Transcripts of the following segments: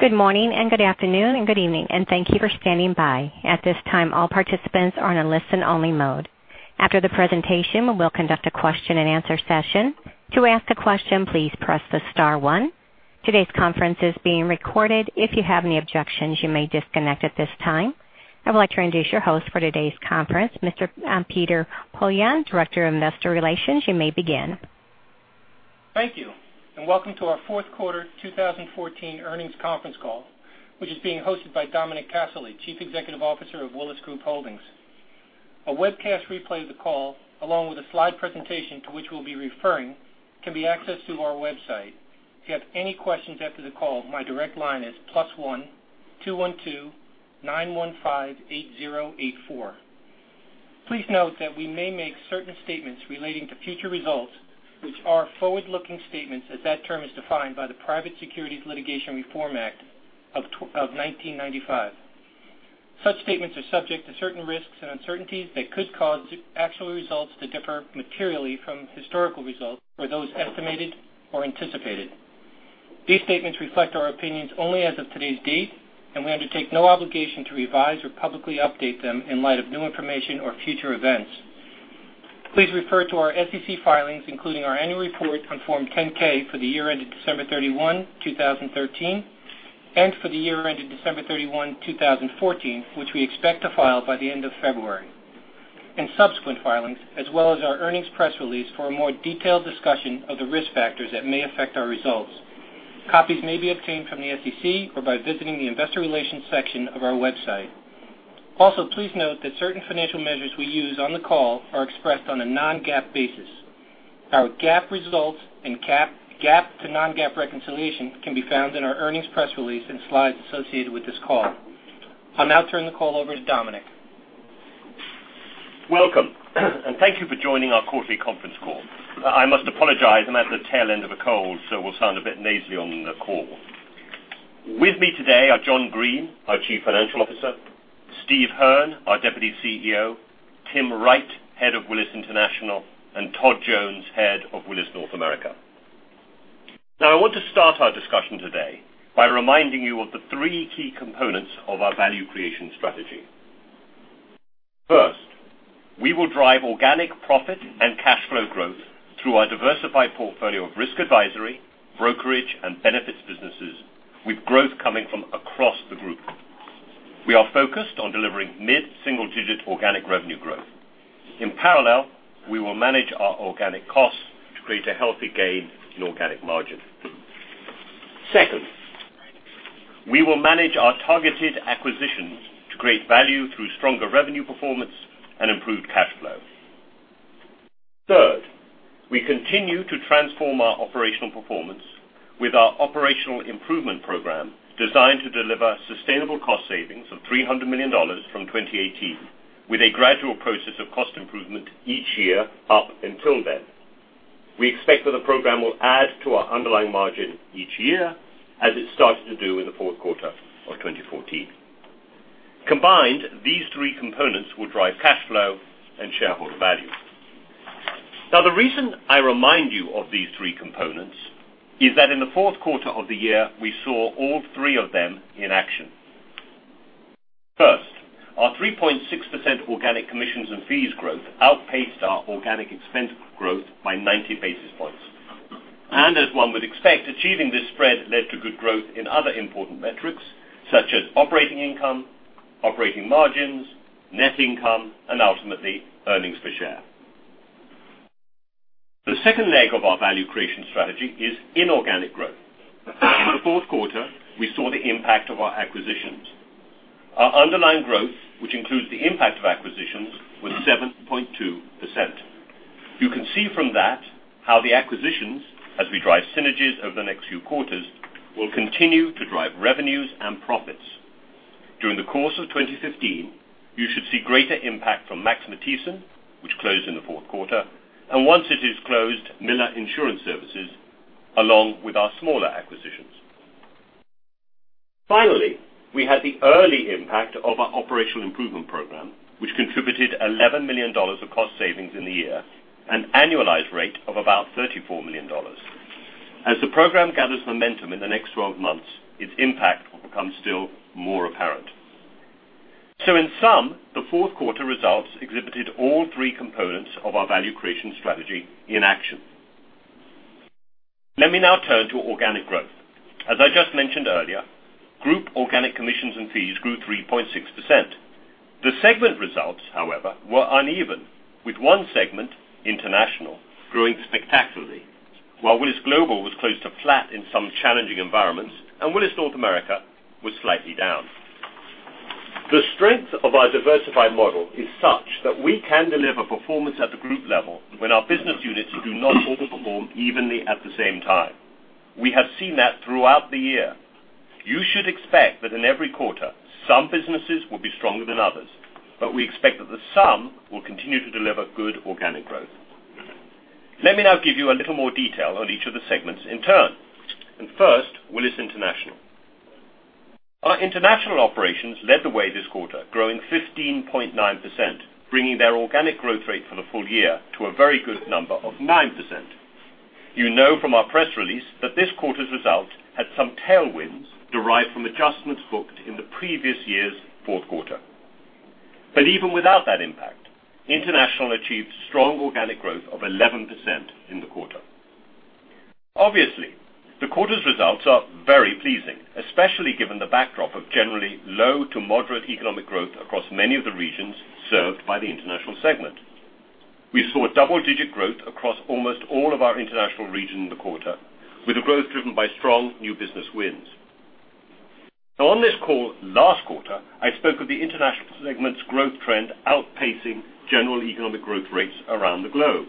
Good morning and good afternoon and good evening, and thank you for standing by. At this time, all participants are in a listen-only mode. After the presentation, we'll conduct a question and answer session. To ask a question, please press star one. Today's conference is being recorded. If you have any objections, you may disconnect at this time. I would like to introduce your host for today's conference, Mr. Peter Poillon, Director of Investor Relations. You may begin. Thank you, and welcome to our fourth quarter 2014 earnings conference call, which is being hosted by Dominic Casserley, Chief Executive Officer of Willis Group Holdings. A webcast replay of the call, along with a slide presentation to which we'll be referring, can be accessed through our website. If you have any questions after the call, my direct line is +1-212-915-8084. Please note that we may make certain statements relating to future results, which are forward-looking statements as that term is defined by the Private Securities Litigation Reform Act of 1995. Such statements are subject to certain risks and uncertainties that could cause actual results to differ materially from historical results or those estimated or anticipated. These statements reflect our opinions only as of today's date, and we undertake no obligation to revise or publicly update them in light of new information or future events. Please refer to our SEC filings, including our annual report on Form 10-K for the year ended December 31, 2013, and for the year ended December 31, 2014, which we expect to file by the end of February, and subsequent filings, as well as our earnings press release for a more detailed discussion of the risk factors that may affect our results. Copies may be obtained from the SEC or by visiting the investor relations section of our website. Please note that certain financial measures we use on the call are expressed on a non-GAAP basis. Our GAAP results and GAAP to non-GAAP reconciliation can be found in our earnings press release and slides associated with this call. I'll now turn the call over to Dominic. Welcome, and thank you for joining our quarterly conference call. I must apologize. I'm at the tail end of a cold, so will sound a bit nasally on the call. With me today are John Greene, our Chief Financial Officer, Steve Hearn, our Deputy CEO, Tim Wright, Head of Willis International, and Todd Jones, Head of Willis North America. I want to start our discussion today by reminding you of the three key components of our value creation strategy. First, we will drive organic profit and cash flow growth through our diversified portfolio of risk advisory, brokerage, and benefits businesses, with growth coming from across the group. We are focused on delivering mid-single-digit organic revenue growth. In parallel, we will manage our organic costs to create a healthy gain in organic margin. Second, we will manage our targeted acquisitions to create value through stronger revenue performance and improved cash flow. Third, we continue to transform our operational performance with our Operational Improvement Program designed to deliver sustainable cost savings of $300 million from 2018 with a gradual process of cost improvement each year up until then. We expect that the program will add to our underlying margin each year as it started to do in the fourth quarter of 2014. Combined, these three components will drive cash flow and shareholder value. The reason I remind you of these three components is that in the fourth quarter of the year, we saw all three of them in action. First, our 3.6% organic commissions and fees growth outpaced our organic expense growth by 90 basis points. As one would expect, achieving this spread led to good growth in other important metrics, such as operating income, operating margins, net income, and ultimately, earnings per share. The second leg of our value creation strategy is inorganic growth. In the fourth quarter, we saw the impact of our acquisitions. Our underlying growth, which includes the impact of acquisitions, was 7.2%. You can see from that how the acquisitions, as we drive synergies over the next few quarters, will continue to drive revenues and profits. During the course of 2015, you should see greater impact from Max Matthiessen, which closed in the fourth quarter, and once it is closed, Miller Insurance Services, along with our smaller acquisitions. Finally, we had the early impact of our Operational Improvement Program, which contributed $11 million of cost savings in the year, an annualized rate of about $34 million. As the program gathers momentum in the next 12 months, its impact will become still more apparent. In sum, the fourth quarter results exhibited all three components of our value creation strategy in action. Let me now turn to organic growth. As I just mentioned earlier, group organic commissions and fees grew 3.6%. The segment results, however, were uneven, with one segment, International, growing spectacularly, while Willis Global was close to flat in some challenging environments and Willis North America was slightly down. The strength of our diversified model is such that we can deliver performance at the group level when our business units do not all perform evenly at the same time. We have seen that throughout the year. You should expect that in every quarter, some businesses will be stronger than others, but we expect that the sum will continue to deliver good organic growth. Let me now give you a little more detail on each of the segments in turn. First, Willis International. Our international operations led the way this quarter, growing 15.9%, bringing their organic growth rate for the full year to a very good number of 9%. You know from our press release that this quarter's result had some tailwinds derived from adjustments booked in the previous year's fourth quarter. Even without that impact, International achieved strong organic growth of 11% in the quarter. Obviously, the quarter's results are very pleasing, especially given the backdrop of generally low to moderate economic growth across many of the regions served by the International segment. We saw double-digit growth across almost all of our international regions in the quarter, with the growth driven by strong new business wins. On this call last quarter, I spoke of the international segment's growth trend outpacing general economic growth rates around the globe.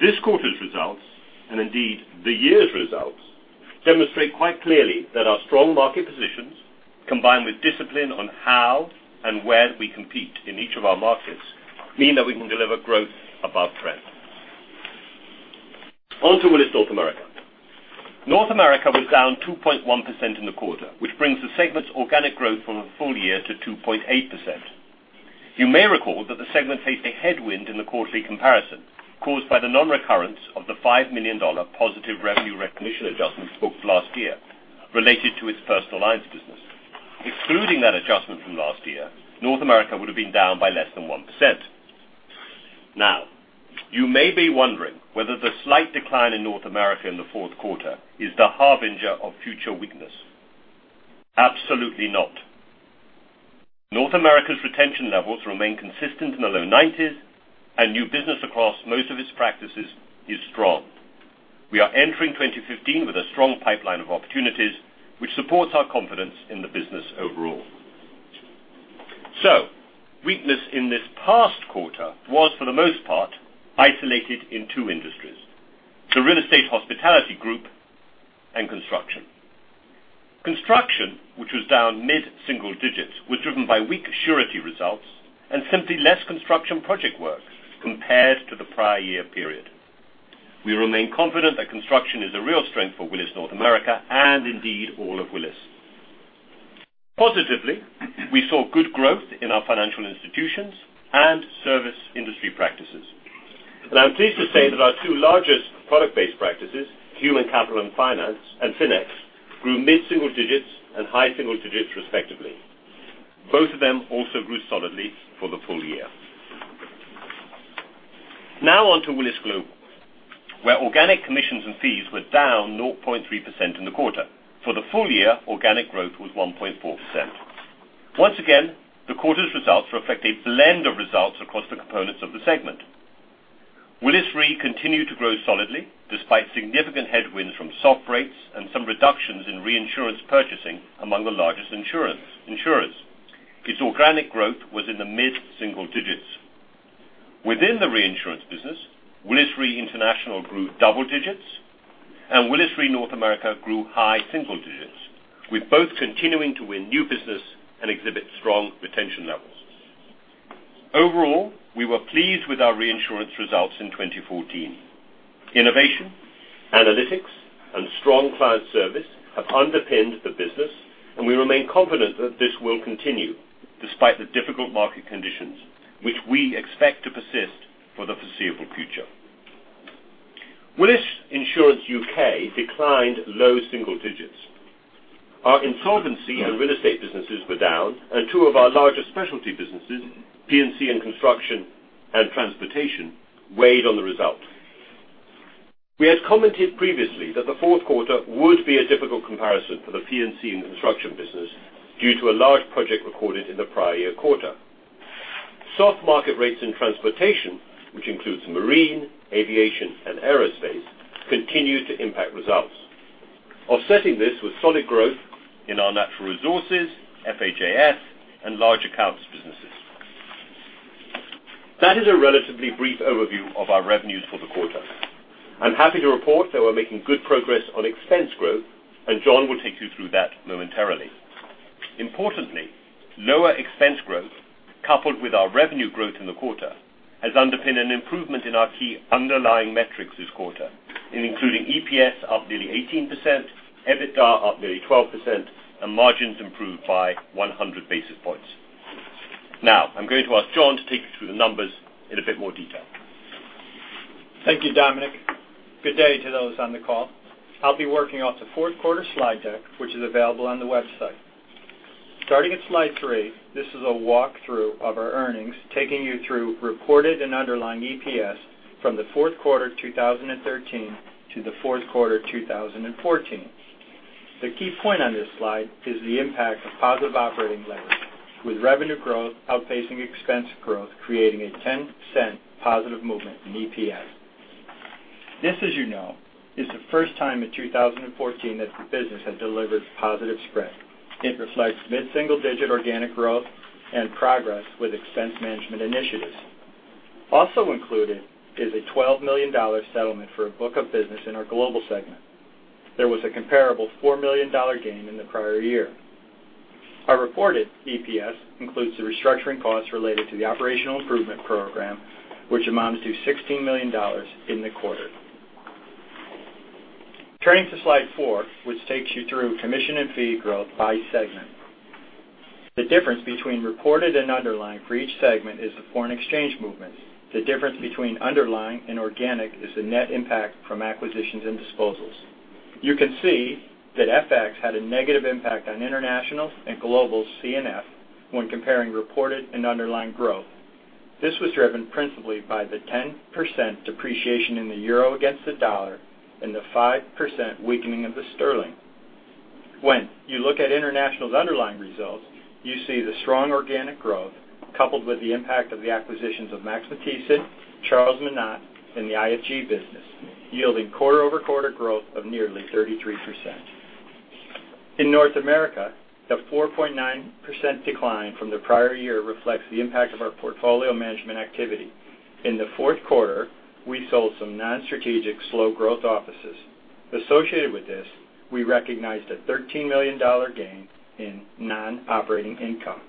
This quarter's results, and indeed the year's results, demonstrate quite clearly that our strong market positions, combined with discipline on how and where we compete in each of our markets, mean that we can deliver growth above trend. On to Willis North America. North America was down 2.1% in the quarter, which brings the segment's organic growth from the full year to 2.8%. You may recall that the segment faced a headwind in the quarterly comparison caused by the non-recurrence of the $5 million positive revenue recognition adjustment booked last year related to its personal lines business. Excluding that adjustment from last year, North America would have been down by less than 1%. You may be wondering whether the slight decline in North America in the fourth quarter is the harbinger of future weakness. Absolutely not. North America's retention levels remain consistent in the low 90s, and new business across most of its practices is strong. We are entering 2015 with a strong pipeline of opportunities, which supports our confidence in the business overall. Weakness in this past quarter was, for the most part, isolated in two industries, the real estate hospitality group and construction. Construction, which was down mid-single digits, was driven by weak surety results and simply less construction project work compared to the prior year period. We remain confident that construction is a real strength for Willis North America and indeed all of Willis. Positively, we saw good growth in our financial institutions and service industry practices. I'm pleased to say that our two largest product-based practices, human capital and finance and FINEX, grew mid-single digits and high single digits respectively. Both of them also grew solidly for the full year. On to Willis Global, where organic commissions and fees were down 0.3% in the quarter. For the full year, organic growth was 1.4%. Once again, the quarter's results reflect a blend of results across the components of the segment. Willis Re continued to grow solidly despite significant headwinds from soft rates and some reductions in reinsurance purchasing among the largest insurers. Its organic growth was in the mid-single digits. Within the reinsurance business, Willis Re International grew double digits and Willis Re North America grew high single digits, with both continuing to win new business and exhibit strong retention levels. Overall, we were pleased with our reinsurance results in 2014. Innovation, analytics, and strong client service have underpinned the business, and we remain confident that this will continue despite the difficult market conditions, which we expect to persist for the foreseeable future. Willis Insurance UK declined low single digits. Our insolvency and real estate businesses were down, and two of our larger specialty businesses, P&C and construction and transportation, weighed on the result. We had commented previously that the fourth quarter would be a difficult comparison for the P&C and construction business due to a large project recorded in the prior year quarter. Soft market rates in transportation, which includes marine, aviation, and aerospace, continued to impact results. Offsetting this was solid growth in our natural resources, FHAS, and large accounts businesses. That is a relatively brief overview of our revenues for the quarter. I'm happy to report that we're making good progress on expense growth, and John will take you through that momentarily. Importantly, lower expense growth, coupled with our revenue growth in the quarter, has underpinned an improvement in our key underlying metrics this quarter, including EPS up nearly 18%, EBITDA up nearly 12%, and margins improved by 100 basis points. I'm going to ask John to take you through the numbers in a bit more detail. Thank you, Dominic. Good day to those on the call. I'll be working off the fourth quarter slide deck, which is available on the website. Starting at slide three, this is a walkthrough of our earnings, taking you through reported and underlying EPS from the fourth quarter 2013 to the fourth quarter 2014. The key point on this slide is the impact of positive operating leverage with revenue growth outpacing expense growth, creating a 10% positive movement in EPS. This, as you know, is the first time in 2014 that the business has delivered positive spread. It reflects mid-single-digit organic growth and progress with expense management initiatives. Also included is a $12 million settlement for a book of business in our Global segment. There was a comparable $4 million gain in the prior year. Our reported EPS includes the restructuring costs related to the operational improvement program, which amounted to $16 million in the quarter. Turning to slide four, which takes you through commission and fee growth by segment. The difference between reported and underlying for each segment is the foreign exchange movements. The difference between underlying and organic is the net impact from acquisitions and disposals. You can see that FX had a negative impact on International and Global C&F when comparing reported and underlying growth. This was driven principally by the 10% depreciation in the euro against the dollar and the 5% weakening of the sterling. When you look at International's underlying results, you see the strong organic growth coupled with the impact of the acquisitions of Max Matthiessen, Charles Monat, and the IFG business, yielding quarter-over-quarter growth of nearly 33%. In North America, the 4.9% decline from the prior year reflects the impact of our portfolio management activity. In the fourth quarter, we sold some non-strategic slow growth offices. Associated with this, we recognized a $13 million gain in non-operating income.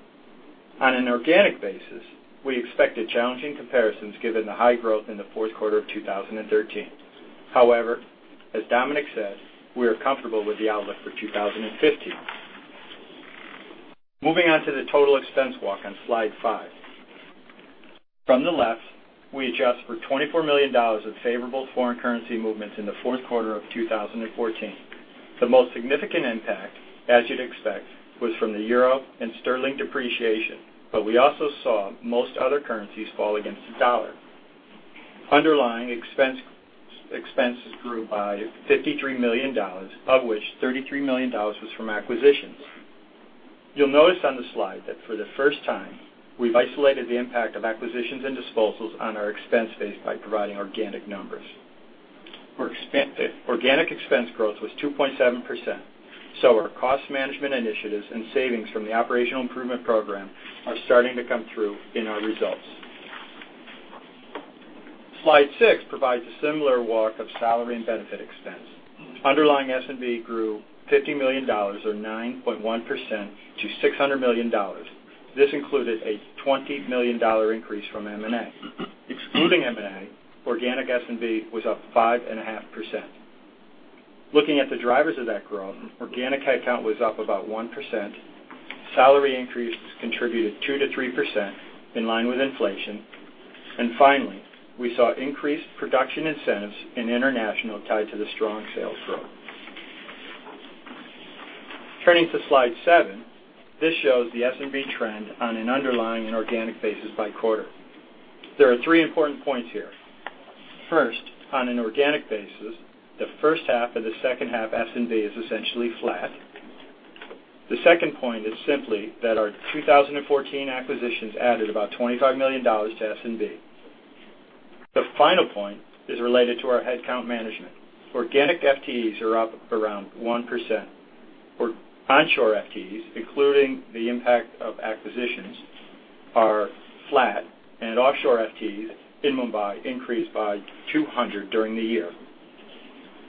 On an organic basis, we expect challenging comparisons given the high growth in the fourth quarter of 2013. However, as Dominic said, we are comfortable with the outlook for 2015. Moving on to the total expense walk on slide five. From the left, we adjust for $24 million of favorable foreign currency movements in the fourth quarter of 2014. The most significant impact, as you'd expect, was from the euro and sterling depreciation, but we also saw most other currencies fall against the dollar. Underlying expenses grew by $53 million, of which $33 million was from acquisitions. You'll notice on the slide that for the first time, we've isolated the impact of acquisitions and disposals on our expense base by providing organic numbers. Organic expense growth was 2.7%. Our cost management initiatives and savings from the Operational Improvement Program are starting to come through in our results. Slide six provides a similar walk of salary and benefit expense. Underlying S&B grew $50 million, or 9.1%, to $600 million. This included a $20 million increase from M&A. Excluding M&A, organic S&B was up 5.5%. Looking at the drivers of that growth, organic headcount was up about 1%, salary increases contributed 2%-3%, in line with inflation. Finally, we saw increased production incentives in International tied to the strong sales growth. Turning to slide seven, this shows the S&B trend on an underlying and organic basis by quarter. There are three important points here. First, on an organic basis, the first half and the second half S&B is essentially flat. The second point is simply that our 2014 acquisitions added about $25 million to S&B. The final point is related to our headcount management. Organic FTEs are up around 1%. Onshore FTEs, including the impact of acquisitions, are flat, and offshore FTEs in Mumbai increased by 200 during the year.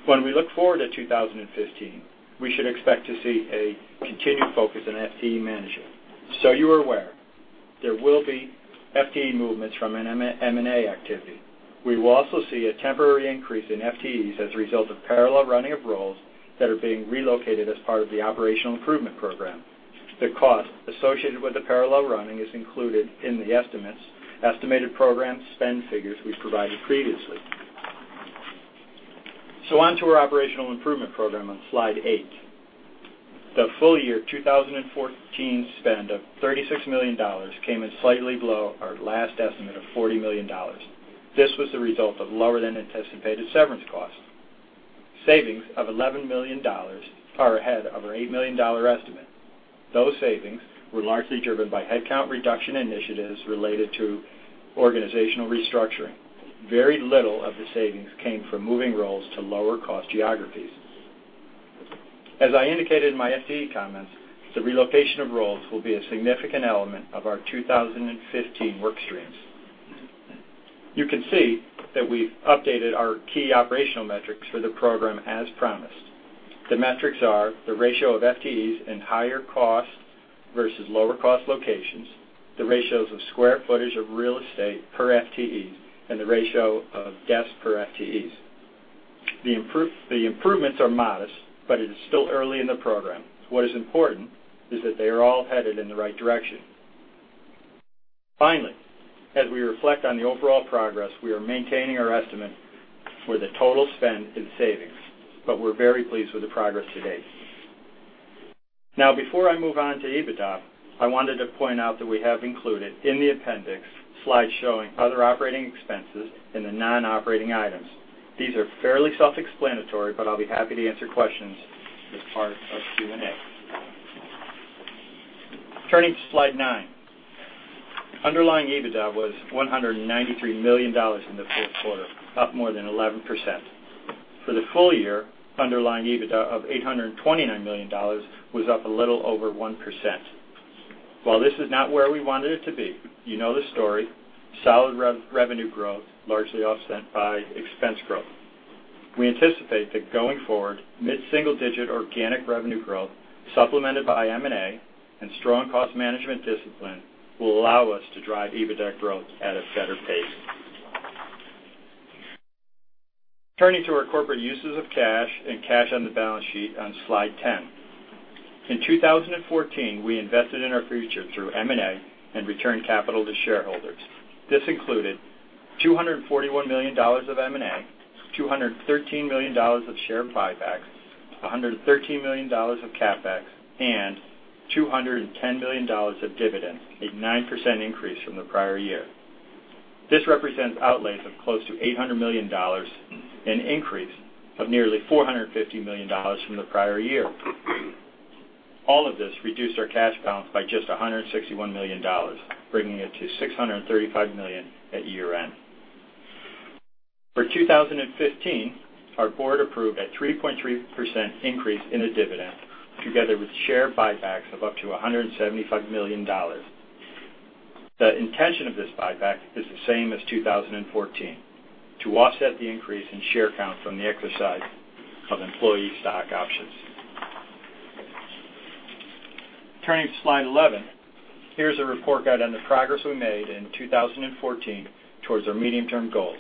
When we look forward to 2015, we should expect to see a continued focus on FTE management. You are aware, there will be FTE movements from an M&A activity. We will also see a temporary increase in FTEs as a result of parallel running of roles that are being relocated as part of the Operational Improvement Program. The cost associated with the parallel running is included in the estimated program spend figures we provided previously. On to our Operational Improvement Program on slide eight. The full year 2014 spend of $36 million came in slightly below our last estimate of $40 million. This was the result of lower than anticipated severance costs. Savings of $11 million are ahead of our $8 million estimate. Those savings were largely driven by headcount reduction initiatives related to organizational restructuring. Very little of the savings came from moving roles to lower cost geographies. As I indicated in my FTE comments, the relocation of roles will be a significant element of our 2015 work streams. You can see that we've updated our key operational metrics for the program as promised. The metrics are the ratio of FTEs in higher cost versus lower cost locations, the ratios of square footage of real estate per FTEs, and the ratio of desks per FTEs. The improvements are modest, but it is still early in the program. What is important is that they are all headed in the right direction. Finally, as we reflect on the overall progress, we are maintaining our estimate for the total spend and savings, but we're very pleased with the progress to date. Before I move on to EBITDA, I wanted to point out that we have included in the appendix slides showing other operating expenses in the non-operating items. These are fairly self-explanatory, but I'll be happy to answer questions as part of Q&A. Turning to slide nine. Underlying EBITDA was $193 million in the fourth quarter, up more than 11%. For the full year, underlying EBITDA of $829 million was up a little over 1%. While this is not where we wanted it to be, you know the story, solid revenue growth largely offset by expense growth. We anticipate that going forward, mid-single-digit organic revenue growth supplemented by M&A and strong cost management discipline will allow us to drive EBITDA growth at a better pace. Turning to our corporate uses of cash and cash on the balance sheet on slide 10. In 2014, we invested in our future through M&A and returned capital to shareholders. This included $241 million of M&A, $213 million of share buybacks, $113 million of CapEx, and $210 million of dividends, a 9% increase from the prior year. This represents outlays of close to $800 million, an increase of nearly $450 million from the prior year. All of this reduced our cash balance by just $161 million, bringing it to $635 million at year-end. For 2015, our board approved a 3.3% increase in the dividend, together with share buybacks of up to $175 million. The intention of this buyback is the same as 2014, to offset the increase in share count from the exercise of employee stock options. Turning to slide 11, here's a report guide on the progress we made in 2014 towards our medium-term goals.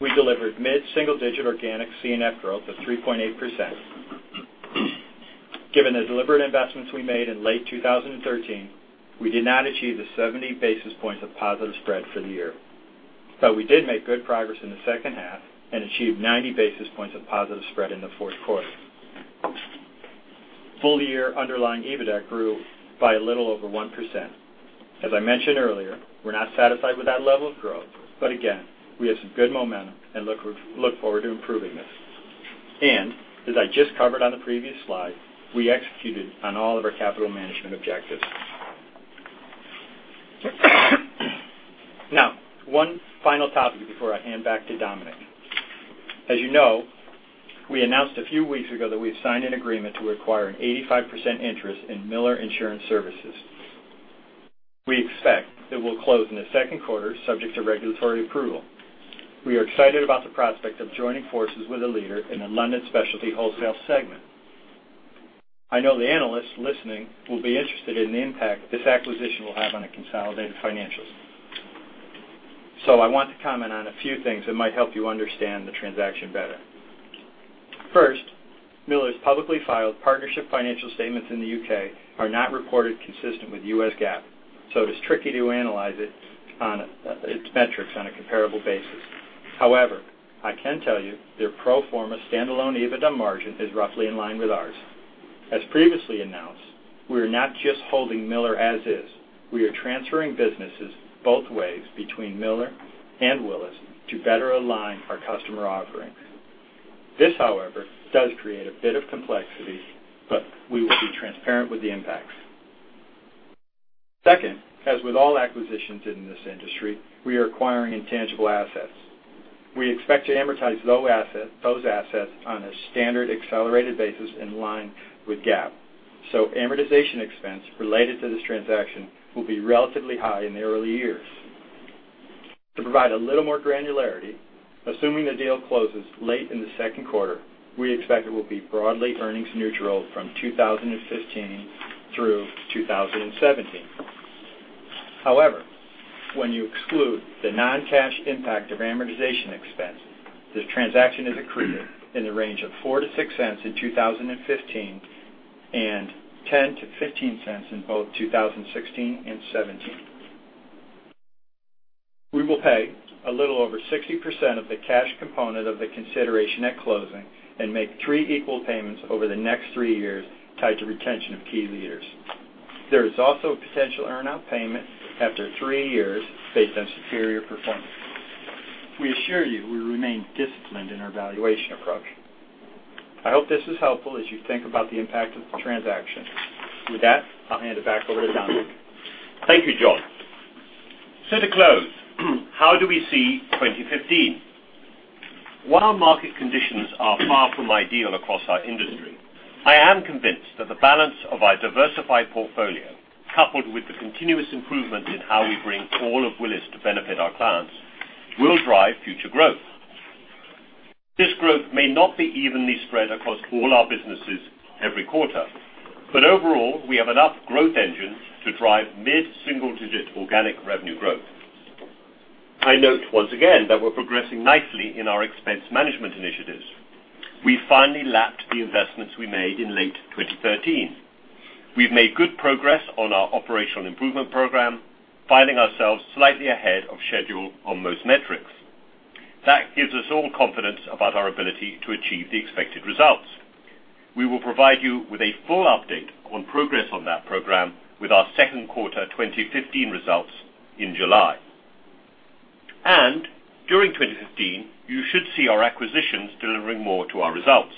We delivered mid-single-digit organic C&F growth of 3.8%. Given the deliberate investments we made in late 2013, we did not achieve the 70 basis points of positive spread for the year. We did make good progress in the second half and achieved 90 basis points of positive spread in the fourth quarter. Full-year underlying EBITDA grew by a little over 1%. As I mentioned earlier, we're not satisfied with that level of growth, but again, we have some good momentum and look forward to improving this. As I just covered on the previous slide, we executed on all of our capital management objectives. Now, one final topic before I hand back to Dominic. As you know, we announced a few weeks ago that we've signed an agreement to acquire an 85% interest in Miller Insurance Services. We expect it will close in the second quarter, subject to regulatory approval. We are excited about the prospect of joining forces with a leader in the London specialty wholesale segment. I know the analysts listening will be interested in the impact this acquisition will have on the consolidated financials. I want to comment on a few things that might help you understand the transaction better. First, Miller's publicly filed partnership financial statements in the U.K. are not reported consistent with US GAAP, so it is tricky to analyze its metrics on a comparable basis. However, I can tell you their pro forma standalone EBITDA margin is roughly in line with ours. As previously announced, we are not just holding Miller as is. We are transferring businesses both ways between Miller and Willis to better align our customer offerings. This, however, does create a bit of complexity, but we will be transparent with the impacts. Second, as with all acquisitions in this industry, we are acquiring intangible assets. We expect to amortize those assets on a standard accelerated basis in line with GAAP. Amortization expense related to this transaction will be relatively high in the early years. To provide a little more granularity, assuming the deal closes late in the second quarter, we expect it will be broadly earnings neutral from 2015 through 2017. However, when you exclude the non-cash impact of amortization expense, this transaction is accretive in the range of $0.04 to $0.06 in 2015 and $0.10 to $0.15 in both 2016 and 2017. We will pay a little over 60% of the cash component of the consideration at closing and make three equal payments over the next three years tied to retention of key leaders. There is also a potential earn-out payment after three years based on superior performance. We assure you, we remain disciplined in our valuation approach. I hope this was helpful as you think about the impact of the transaction. With that, I will hand it back over to Dominic. Thank you, John. To close, how do we see 2015? While market conditions are far from ideal across our industry, I am convinced that the balance of our diversified portfolio, coupled with the continuous improvement in how we bring all of Willis to benefit our clients, will drive future growth. This growth may not be evenly spread across all our businesses every quarter. Overall, we have enough growth engines to drive mid-single-digit organic revenue growth. I note once again that we are progressing nicely in our expense management initiatives. We finally lapped the investments we made in late 2013. We have made good progress on our operational improvement program, finding ourselves slightly ahead of schedule on most metrics. That gives us all confidence about our ability to achieve the expected results. We will provide you with a full update on progress on that program with our second quarter 2015 results in July. During 2015, you should see our acquisitions delivering more to our results.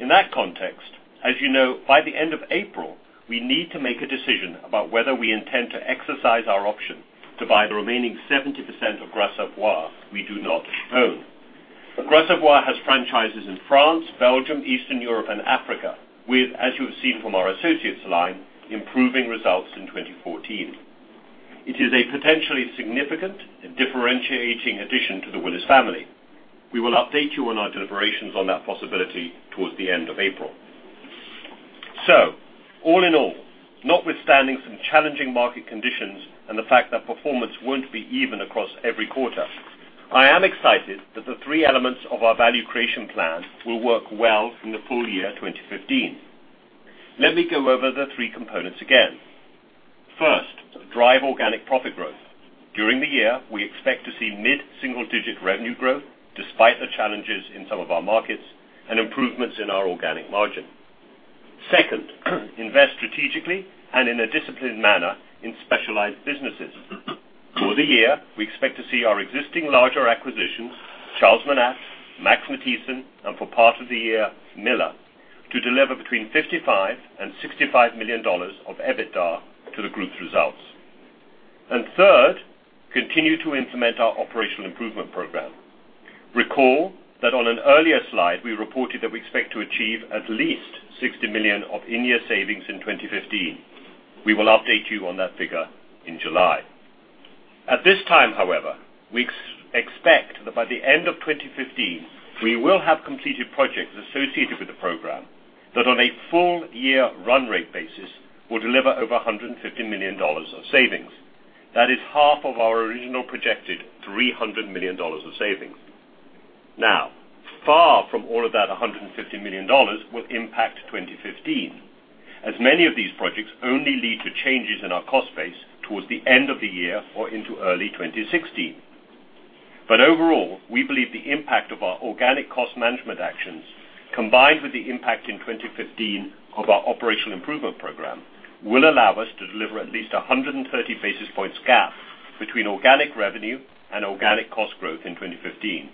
In that context, as you know, by the end of April, we need to make a decision about whether we intend to exercise our option to buy the remaining 70% of Gras Savoye we do not own. Gras Savoye has franchises in France, Belgium, Eastern Europe, and Africa with, as you have seen from our associates line, improving results in 2014. It is a potentially significant and differentiating addition to the Willis family. We will update you on our deliberations on that possibility towards the end of April. All in all, notwithstanding some challenging market conditions and the fact that performance won't be even across every quarter, I am excited that the three elements of our value creation plan will work well in the full year 2015. Let me go over the three components again. First, drive organic profit growth. During the year, we expect to see mid-single-digit revenue growth despite the challenges in some of our markets, and improvements in our organic margin. Second, invest strategically and in a disciplined manner in specialized businesses. For the year, we expect to see our existing larger acquisitions, Charles Monat, Max Matthiessen, and for part of the year, Miller, to deliver between $55 million and $65 million of EBITDA to the group's results. Third, continue to implement our operational improvement program. Recall that on an earlier slide, we reported that we expect to achieve at least $60 million of in-year savings in 2015. We will update you on that figure in July. At this time, however, we expect that by the end of 2015, we will have completed projects associated with the program that on a full year run rate basis will deliver over $150 million of savings. That is half of our original projected $300 million of savings. Far from all of that $150 million will impact 2015, as many of these projects only lead to changes in our cost base towards the end of the year or into early 2016. Overall, we believe the impact of our organic cost management actions, combined with the impact in 2015 of our operational improvement program, will allow us to deliver at least 130 basis points gap between organic revenue and organic cost growth in 2015,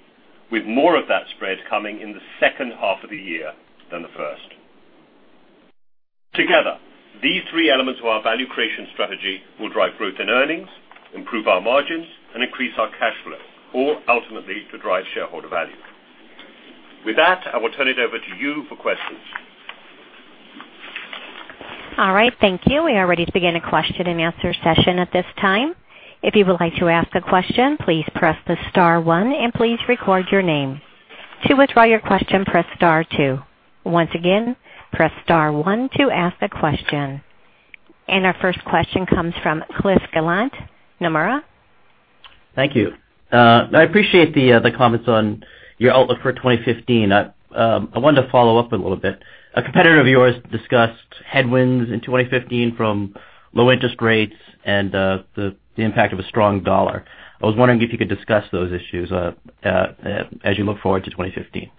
with more of that spread coming in the second half of the year than the first. Together, these three elements of our value creation strategy will drive growth in earnings, improve our margins, and increase our cash flow, all ultimately to drive shareholder value. With that, I will turn it over to you for questions. All right. Thank you. We are ready to begin a question-and-answer session at this time. If you would like to ask a question, please press the star one, and please record your name. To withdraw your question, press star two. Once again, press star one to ask a question. Our first question comes from Cliff Gallant, Nomura. Thank you. I appreciate the comments on your outlook for 2015. I wanted to follow up a little bit. A competitor of yours discussed headwinds in 2015 from low interest rates and the impact of a strong US dollar. I was wondering if you could discuss those issues as you look forward to 2015.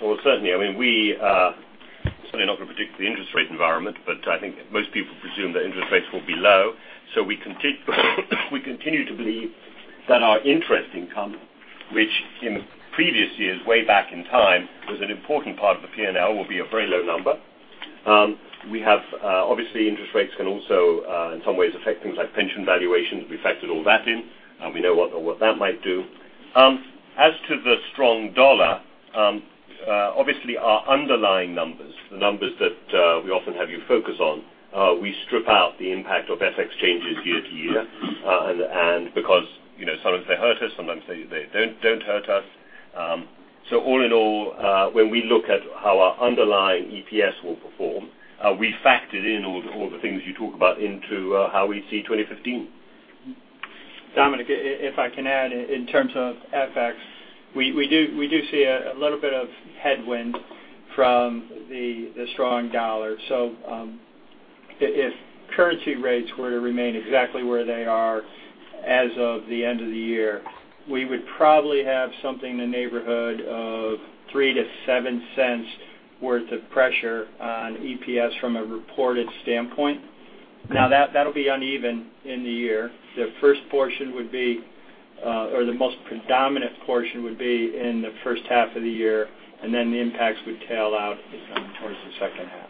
Well, certainly. I mean, we certainly are not going to predict the interest rate environment, but I think most people presume that interest rates will be low. We continue to believe that our interest income, which in previous years, way back in time, was an important part of the P&L, will be a very low number. Obviously, interest rates can also, in some ways, affect things like pension valuations. We factored all that in, and we know what that might do. As to the strong dollar, obviously our underlying numbers, the numbers that we often have you focus on, we strip out the impact of FX changes year-to-year. Because sometimes they hurt us, sometimes they don't hurt us. All in all, when we look at how our underlying EPS will perform, we factored in all the things you talk about into how we see 2015. Dominic, if I can add, in terms of FX, we do see a little bit of headwind from the strong dollar. If currency rates were to remain exactly where they are as of the end of the year, we would probably have something in the neighborhood of $0.03-$0.07 worth of pressure on EPS from a reported standpoint. Now, that'll be uneven in the year. The first portion would be, or the most predominant portion would be in the first half of the year, the impacts would tail out towards the second half.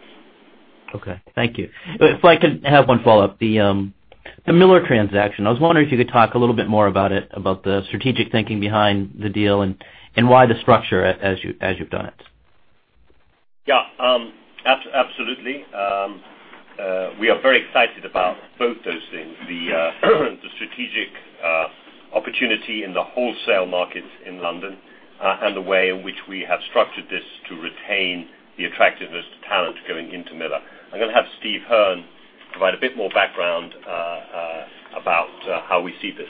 Okay. Thank you. If I could have one follow-up. The Miller transaction, I was wondering if you could talk a little bit more about it, about the strategic thinking behind the deal and why the structure as you've done it. Yeah. Absolutely. We are very excited about both those things, the strategic opportunity in the wholesale market in London, the way in which we have structured this to retain the attractiveness to talent going into Miller. I'm going to have Steve Hearn provide a bit more background about how we see this.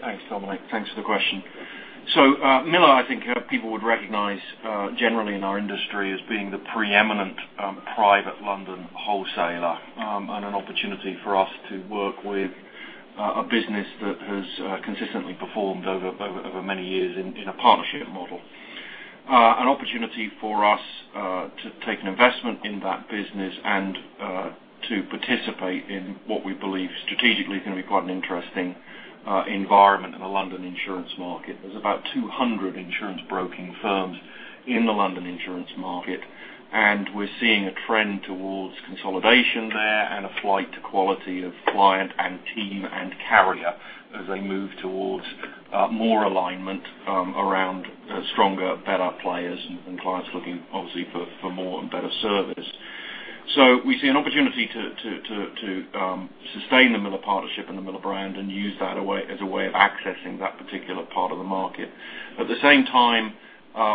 Thanks, Dominic. Thanks for the question. Miller, I think people would recognize generally in our industry as being the preeminent private London wholesaler, and an opportunity for us to work with a business that has consistently performed over many years in a partnership model. An opportunity for us to take an investment in that business and to participate in what we believe strategically is going to be quite an interesting environment in the London insurance market. There's about 200 insurance broking firms in the London insurance market, and we're seeing a trend towards consolidation there and a flight to quality of client and team and carrier as they move towards more alignment around stronger, better players and clients looking obviously for more and better service. We see an opportunity to sustain the Miller partnership and the Miller brand and use that as a way of accessing that particular part of the market. At the same time,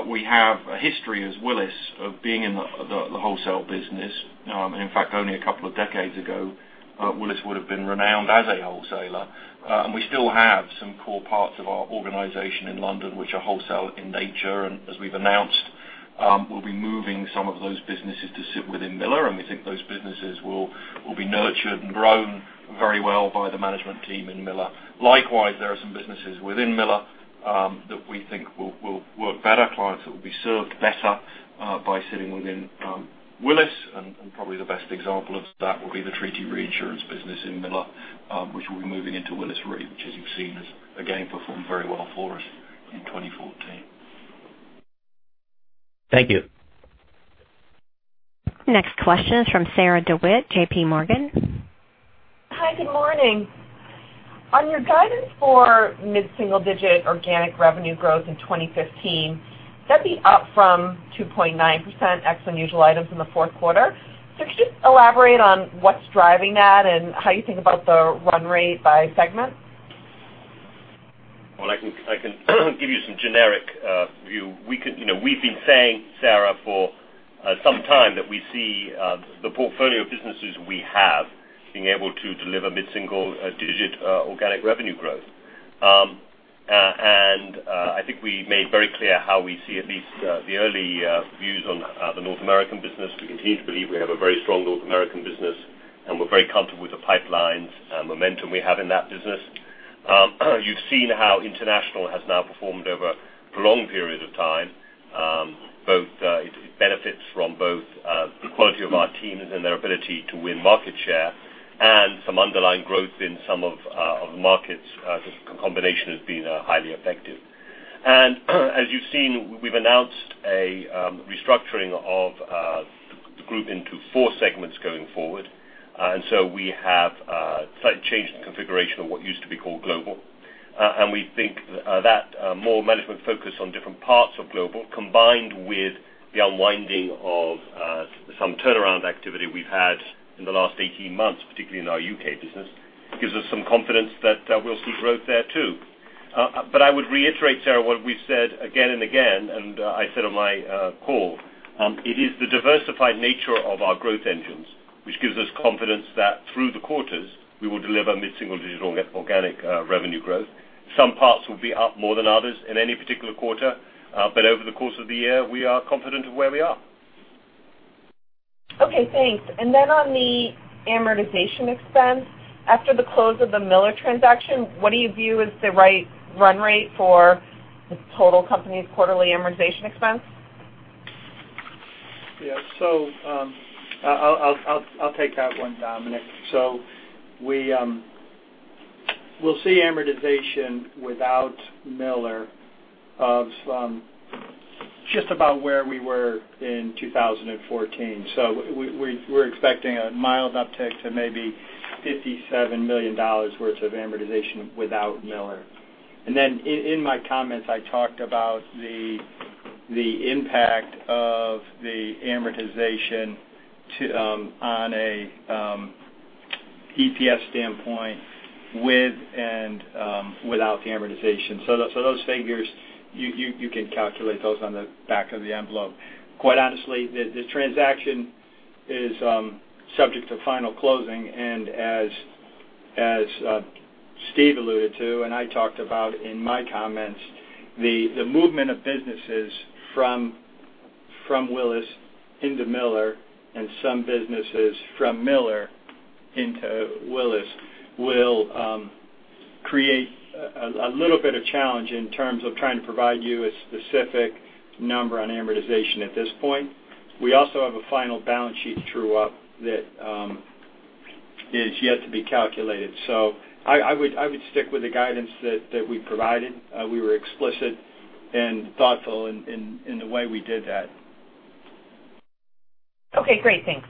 we have a history as Willis of being in the wholesale business. In fact, only a couple of decades ago, Willis would have been renowned as a wholesaler. We still have some core parts of our organization in London, which are wholesale in nature. As we've announced, we'll be moving some of those businesses to sit within Miller, and we think those businesses will be nurtured and grown very well by the management team in Miller. Likewise, there are some businesses within Miller that we think will work better, clients that will be served better by sitting within Willis. Probably the best example of that will be the treaty reinsurance business in Miller, which we'll be moving into Willis Re, which, as you've seen, has again performed very well for us in 2014. Thank you. Next question is from Sarah DeWitt, J.P. Morgan. Hi, good morning. On your guidance for mid-single-digit organic revenue growth in 2015, that'd be up from 2.9% ex unusual items in the fourth quarter. Could you elaborate on what's driving that and how you think about the run rate by segment? Well, I can give you some generic view. We've been saying, Sarah, for some time that we see the portfolio of businesses we have being able to deliver mid-single-digit organic revenue growth. I think we made very clear how we see at least the early views on the Willis North America business. We continue to believe we have a very strong Willis North America business, and we're very comfortable with the pipelines and momentum we have in that business. You've seen how Willis International has now performed over a prolonged period of time. It benefits from both the quality of our teams and their ability to win market share and some underlying growth in some of the markets. The combination has been highly effective. As you've seen, we've announced a restructuring of the group into 4 segments going forward. We have slightly changed the configuration of what used to be called Willis Global. We think that more management focus on different parts of Willis Global, combined with the unwinding of some turnaround activity we've had in the last 18 months, particularly in our Willis Insurance U.K. business, gives us some confidence that we'll see growth there too. I would reiterate, Sarah, what we've said again and again, and I said on my call, it is the diversified nature of our growth engines which gives us confidence that through the quarters, we will deliver mid-single-digit organic revenue growth. Some parts will be up more than others in any particular quarter. Over the course of the year, we are confident of where we are. Okay, thanks. On the amortization expense, after the close of the Miller transaction, what do you view as the right run rate for the total company's quarterly amortization expense? Yeah. I'll take that one, Dominic. We'll see amortization without Miller of just about where we were in 2014. We're expecting a mild uptick to maybe $57 million worth of amortization without Miller. In my comments, I talked about the impact of the amortization on an EPS standpoint with and without the amortization. Those figures, you can calculate those on the back of the envelope. Quite honestly, the transaction is subject to final closing, and as Steve alluded to, and I talked about in my comments, the movement of businesses from Willis into Miller and some businesses from Miller into Willis will create a little bit of challenge in terms of trying to provide you a specific number on amortization at this point. We also have a final balance sheet to true-up that is yet to be calculated. I would stick with the guidance that we provided. We were explicit and thoughtful in the way we did that. Okay, great. Thanks.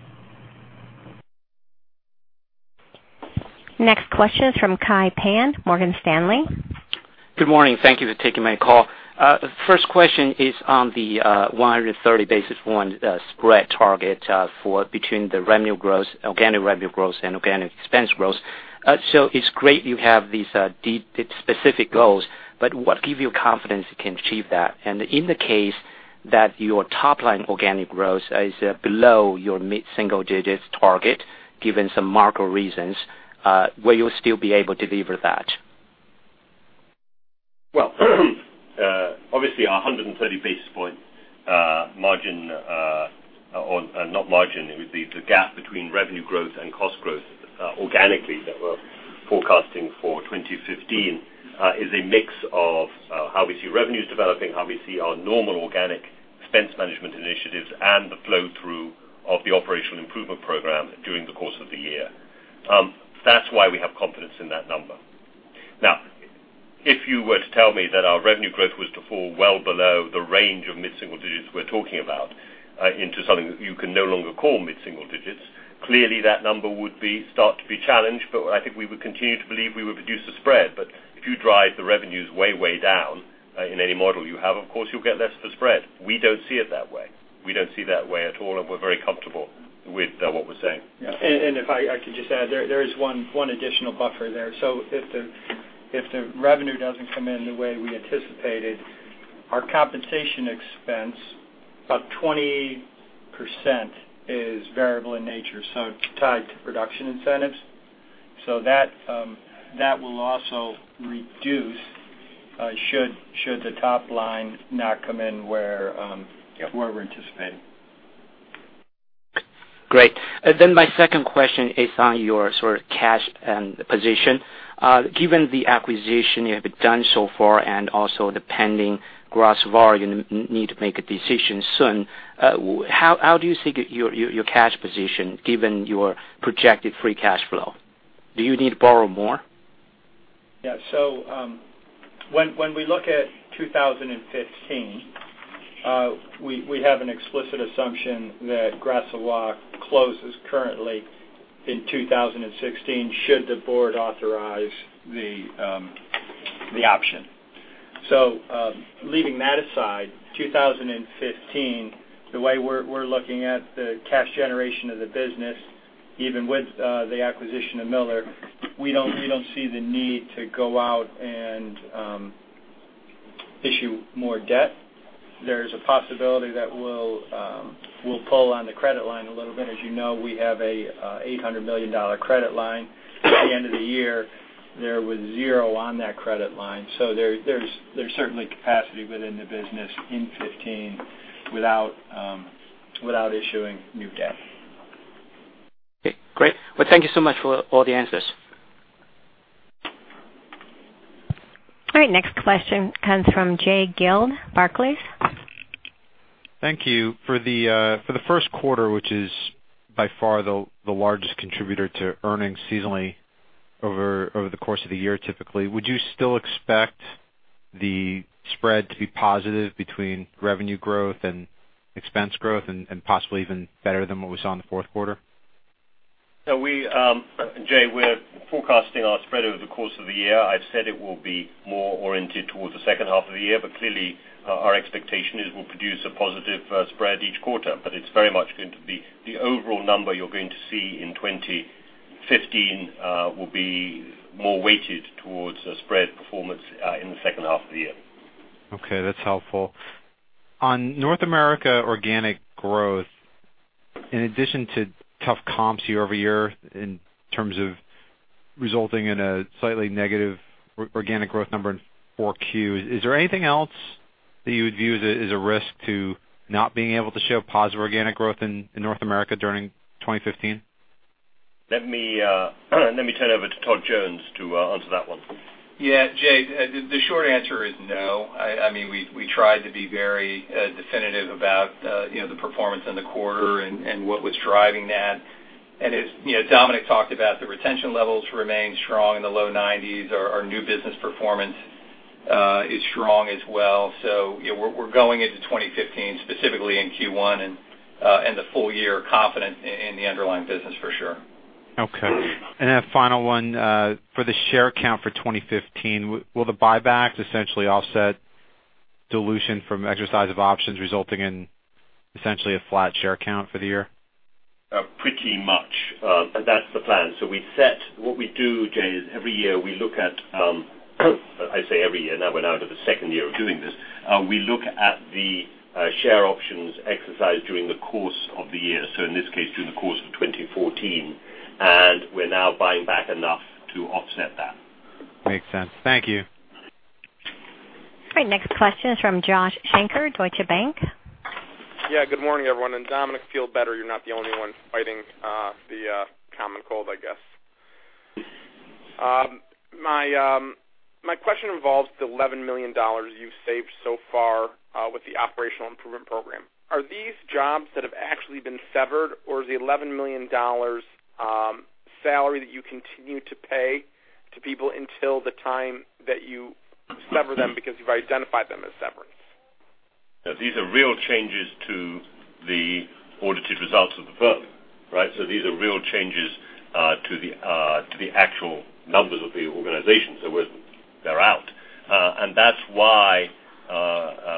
Next question is from Kai Pan, Morgan Stanley. Good morning. Thank you for taking my call. First question is on the 130 basis point spread target between the revenue growth, organic revenue growth and organic expense growth. It's great you have these specific goals, but what give you confidence you can achieve that? In the case that your top-line organic growth is below your mid-single-digits target, given some market reasons, will you still be able to deliver that? Well, obviously our 130 basis point margin, or not margin, it would be the gap between revenue growth and cost growth organically that we're forecasting for 2015, is a mix of how we see revenues developing, how we see our normal organic expense management initiatives, and the flow-through of the operational improvement program during the course of the year. That's why we have confidence in that number. Now, if you were to tell me that our revenue growth was to fall well below the range of mid-single digits we're talking about into something that you can no longer call mid-single digits. Clearly that number would start to be challenged, I think we would continue to believe we would produce a spread. If you drive the revenues way down in any model you have, of course you'll get less of a spread. We don't see it that way. We don't see that way at all, we're very comfortable with what we're saying. Yeah. If I could just add, there is one additional buffer there. If the revenue doesn't come in the way we anticipated, our compensation expense, about 20% is variable in nature, so it's tied to production incentives. That will also reduce should the top line not come in where- Yeah we're anticipating. Great. My second question is on your sort of cash and position. Given the acquisition you have done so far and also the pending Gras Savoye need to make a decision soon, how do you see your cash position given your projected free cash flow? Do you need to borrow more? Yeah. When we look at 2015, we have an explicit assumption that Gras Savoye closes currently in 2016 should the board authorize the option. Leaving that aside, 2015, the way we're looking at the cash generation of the business even with the acquisition of Miller, we don't see the need to go out and issue more debt. There's a possibility that we'll pull on the credit line a little bit. As you know, we have a $800 million credit line. At the end of the year, there was zero on that credit line. There's certainly capacity within the business in 2015 without issuing new debt. Okay, great. Well, thank you so much for all the answers. All right, next question comes from Jay Gelb, Barclays. Thank you. For the first quarter, which is by far the largest contributor to earnings seasonally over the course of the year typically, would you still expect the spread to be positive between revenue growth and expense growth, and possibly even better than what we saw in the fourth quarter? Jay, we're forecasting our spread over the course of the year. I've said it will be more oriented towards the second half of the year, but clearly our expectation is we'll produce a positive spread each quarter. It's very much going to be the overall number you're going to see in 2015 will be more weighted towards a spread performance in the second half of the year. Okay, that's helpful. On Willis North America organic growth, in addition to tough comps year-over-year in terms of resulting in a slightly negative organic growth number in 4Q, is there anything else that you would view as a risk to not being able to show positive organic growth in Willis North America during 2015? Let me turn over to Todd Jones to answer that one. Yeah, Jay, the short answer is no. We tried to be very definitive about the performance in the quarter and what was driving that. As Dominic talked about, the retention levels remain strong in the low 90s. Our new business performance is strong as well. We're going into 2015, specifically in Q1 and the full year, confident in the underlying business for sure. Okay. A final one. For the share count for 2015, will the buybacks essentially offset dilution from exercise of options, resulting in essentially a flat share count for the year? Pretty much. That's the plan. What we do, Jay, is every year we look at, I say every year, now we're now into the second year of doing this. We look at the share options exercised during the course of the year, so in this case, during the course of 2014, we're now buying back enough to offset that. Makes sense. Thank you. All right, next question is from Joshua Shanker, Deutsche Bank. Yeah, good morning, everyone. Dominic, feel better. You're not the only one fighting the common cold, I guess. My question involves the $11 million you've saved so far with the operational improvement program. Are these jobs that have actually been severed, or is the $11 million salary that you continue to pay to people until the time that you sever them because you've identified them as severance? These are real changes to the audited results of the firm, right? These are real changes to the actual numbers of the organization. They're out. That's why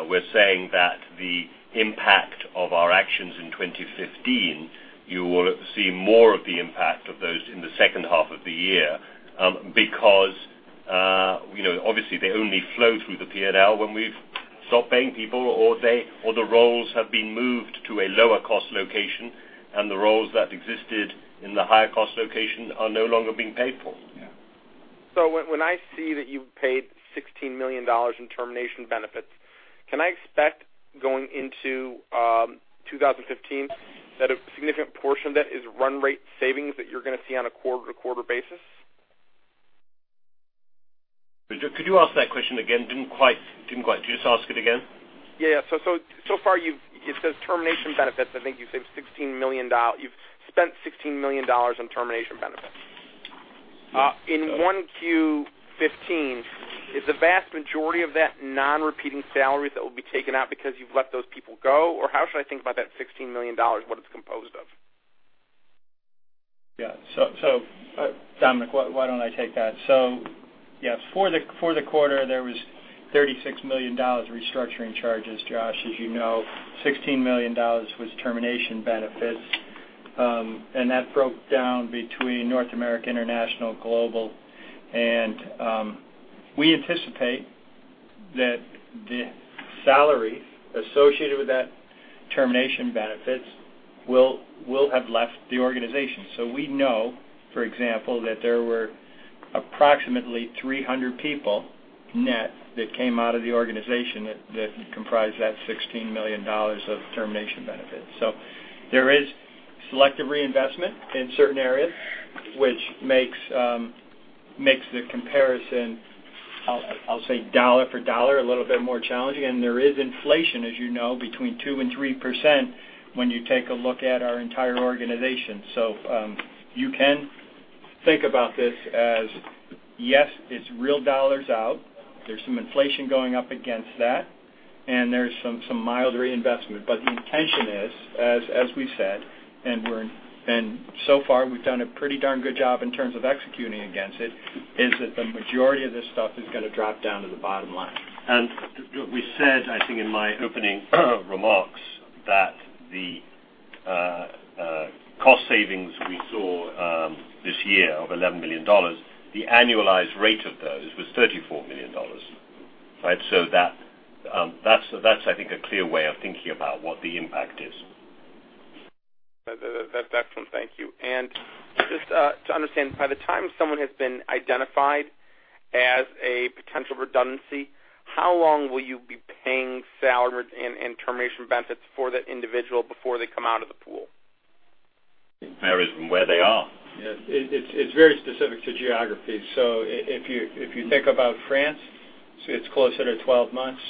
we're saying that the impact of our actions in 2015, you will see more of the impact of those in the second half of the year. Because obviously they only flow through the P&L when we've stopped paying people, or the roles have been moved to a lower cost location, and the roles that existed in the higher cost location are no longer being paid for. Yeah. When I see that you've paid $16 million in termination benefits, can I expect going into 2015 that a significant portion of that is run rate savings that you're going to see on a quarter-to-quarter basis? Could you ask that question again? Didn't quite. Just ask it again. Yeah. Where it says termination benefits. I think you've saved $16 million. You've spent $16 million on termination benefits. In 1Q 2015, is the vast majority of that non-repeating salary that will be taken out because you've let those people go, or how should I think about that $16 million, what it's composed of? Dominic Casserley, why don't I take that? Yes, for the quarter, there was $36 million restructuring charges, Josh. As you know, $16 million was termination benefits. That broke down between North America, International, Global. We anticipate that the salary associated with that termination benefits will have left the organization. We know, for example, that there were approximately 300 people net that came out of the organization that comprised that $16 million of termination benefits. There is selective reinvestment in certain areas, which makes the comparison, I'll say dollar for dollar, a little bit more challenging. There is inflation, as you know, between 2% and 3% when you take a look at our entire organization. You can think about this as, yes, it's real dollars out. There's some inflation going up against that, and there's some mild reinvestment. The intention is, as we've said, and so far we've done a pretty darn good job in terms of executing against it, is that the majority of this stuff is going to drop down to the bottom line. We said, I think in my opening remarks that the cost savings we saw this year of $11 million, the annualized rate of those was $34 million. Right? That's, I think, a clear way of thinking about what the impact is. That's excellent. Thank you. Just to understand, by the time someone has been identified as a potential redundancy, how long will you be paying salary and termination benefits for that individual before they come out of the pool? It varies from where they are. Yeah. It's very specific to geography. If you think about France, it's closer to 12 months.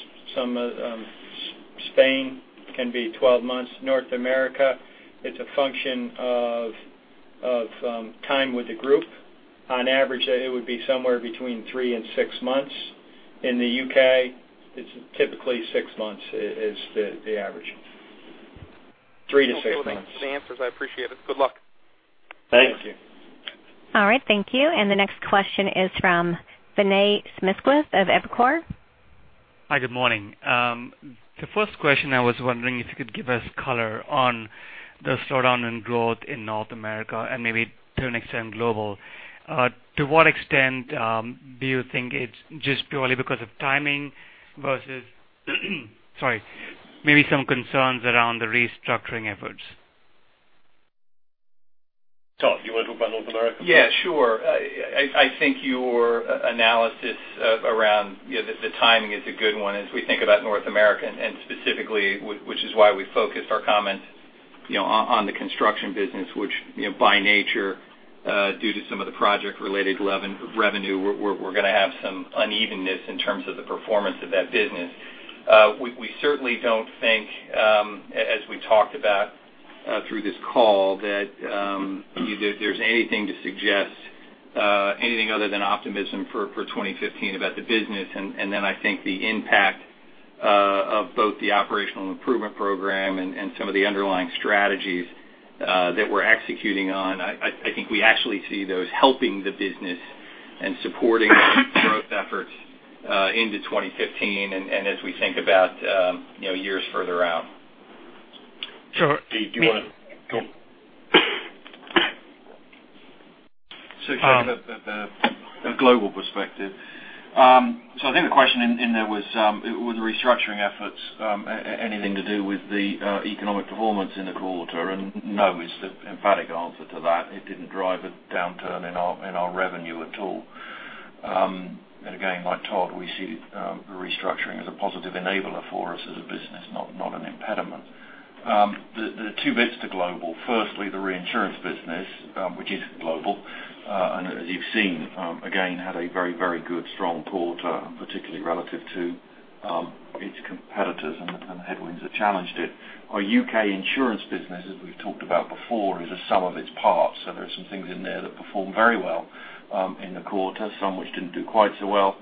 Spain can be 12 months. North America, it's a function of time with the group. On average, it would be somewhere between three and six months. In the U.K., it's typically six months is the average. Three to six months. Okay. With the answers, I appreciate it. Good luck. Thank you. Thank you. All right. Thank you. The next question is from Vinay Misquith of Evercore. Hi. Good morning. The first question, I was wondering if you could give us color on the slowdown in growth in Willis North America and maybe to an extent, Willis Global. To what extent do you think it's just purely because of timing versus, sorry, maybe some concerns around the restructuring efforts? Todd, you want to talk about Willis North America? Yeah, sure. I think your analysis around the timing is a good one as we think about North America, and specifically, which is why we focused our comments on the construction business, which by nature, due to some of the project related revenue, we're going to have some unevenness in terms of the performance of that business. We certainly don't think, as we talked about through this call, that there's anything to suggest anything other than optimism for 2015 about the business. I think the impact of both the operational improvement program and some of the underlying strategies that we're executing on. I think we actually see those helping the business and supporting growth efforts into 2015 and as we think about years further out. Sure. Do you want to Go on. If you have a global perspective. I think the question in there was, with the restructuring efforts, anything to do with the economic performance in the quarter? No is the emphatic answer to that. It didn't drive a downturn in our revenue at all. Again, like Todd, we see the restructuring as a positive enabler for us as a business, not an impediment. The two bits to global. Firstly, the reinsurance business, which is global. As you've seen, again, had a very good strong quarter, particularly relative to its competitors and the headwinds that challenged it. Our U.K. insurance business, as we've talked about before, is a sum of its parts. There are some things in there that performed very well in the quarter, some which didn't do quite so well,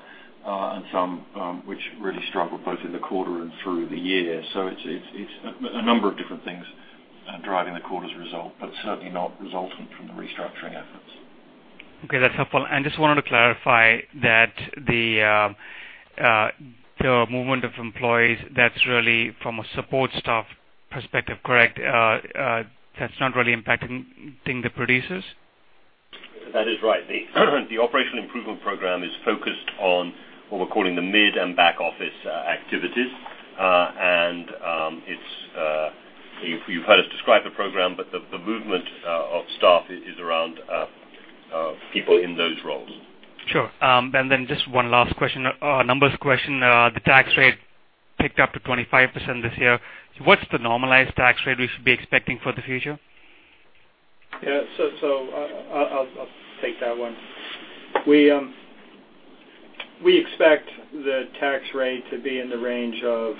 and some which really struggled both in the quarter and through the year. It's a number of different things driving the quarter's result, but certainly not resultant from the restructuring efforts. Okay, that's helpful. Just wanted to clarify that the movement of employees, that's really from a support staff perspective, correct? That's not really impacting the producers? That is right. The operational improvement program is focused on what we're calling the mid and back office activities. You've heard us describe the program, but the movement of staff is around people in those roles. Sure. Just one last question, a numbers question. The tax rate picked up to 25% this year. What's the normalized tax rate we should be expecting for the future? Yeah. I'll take that one. We expect the tax rate to be in the range of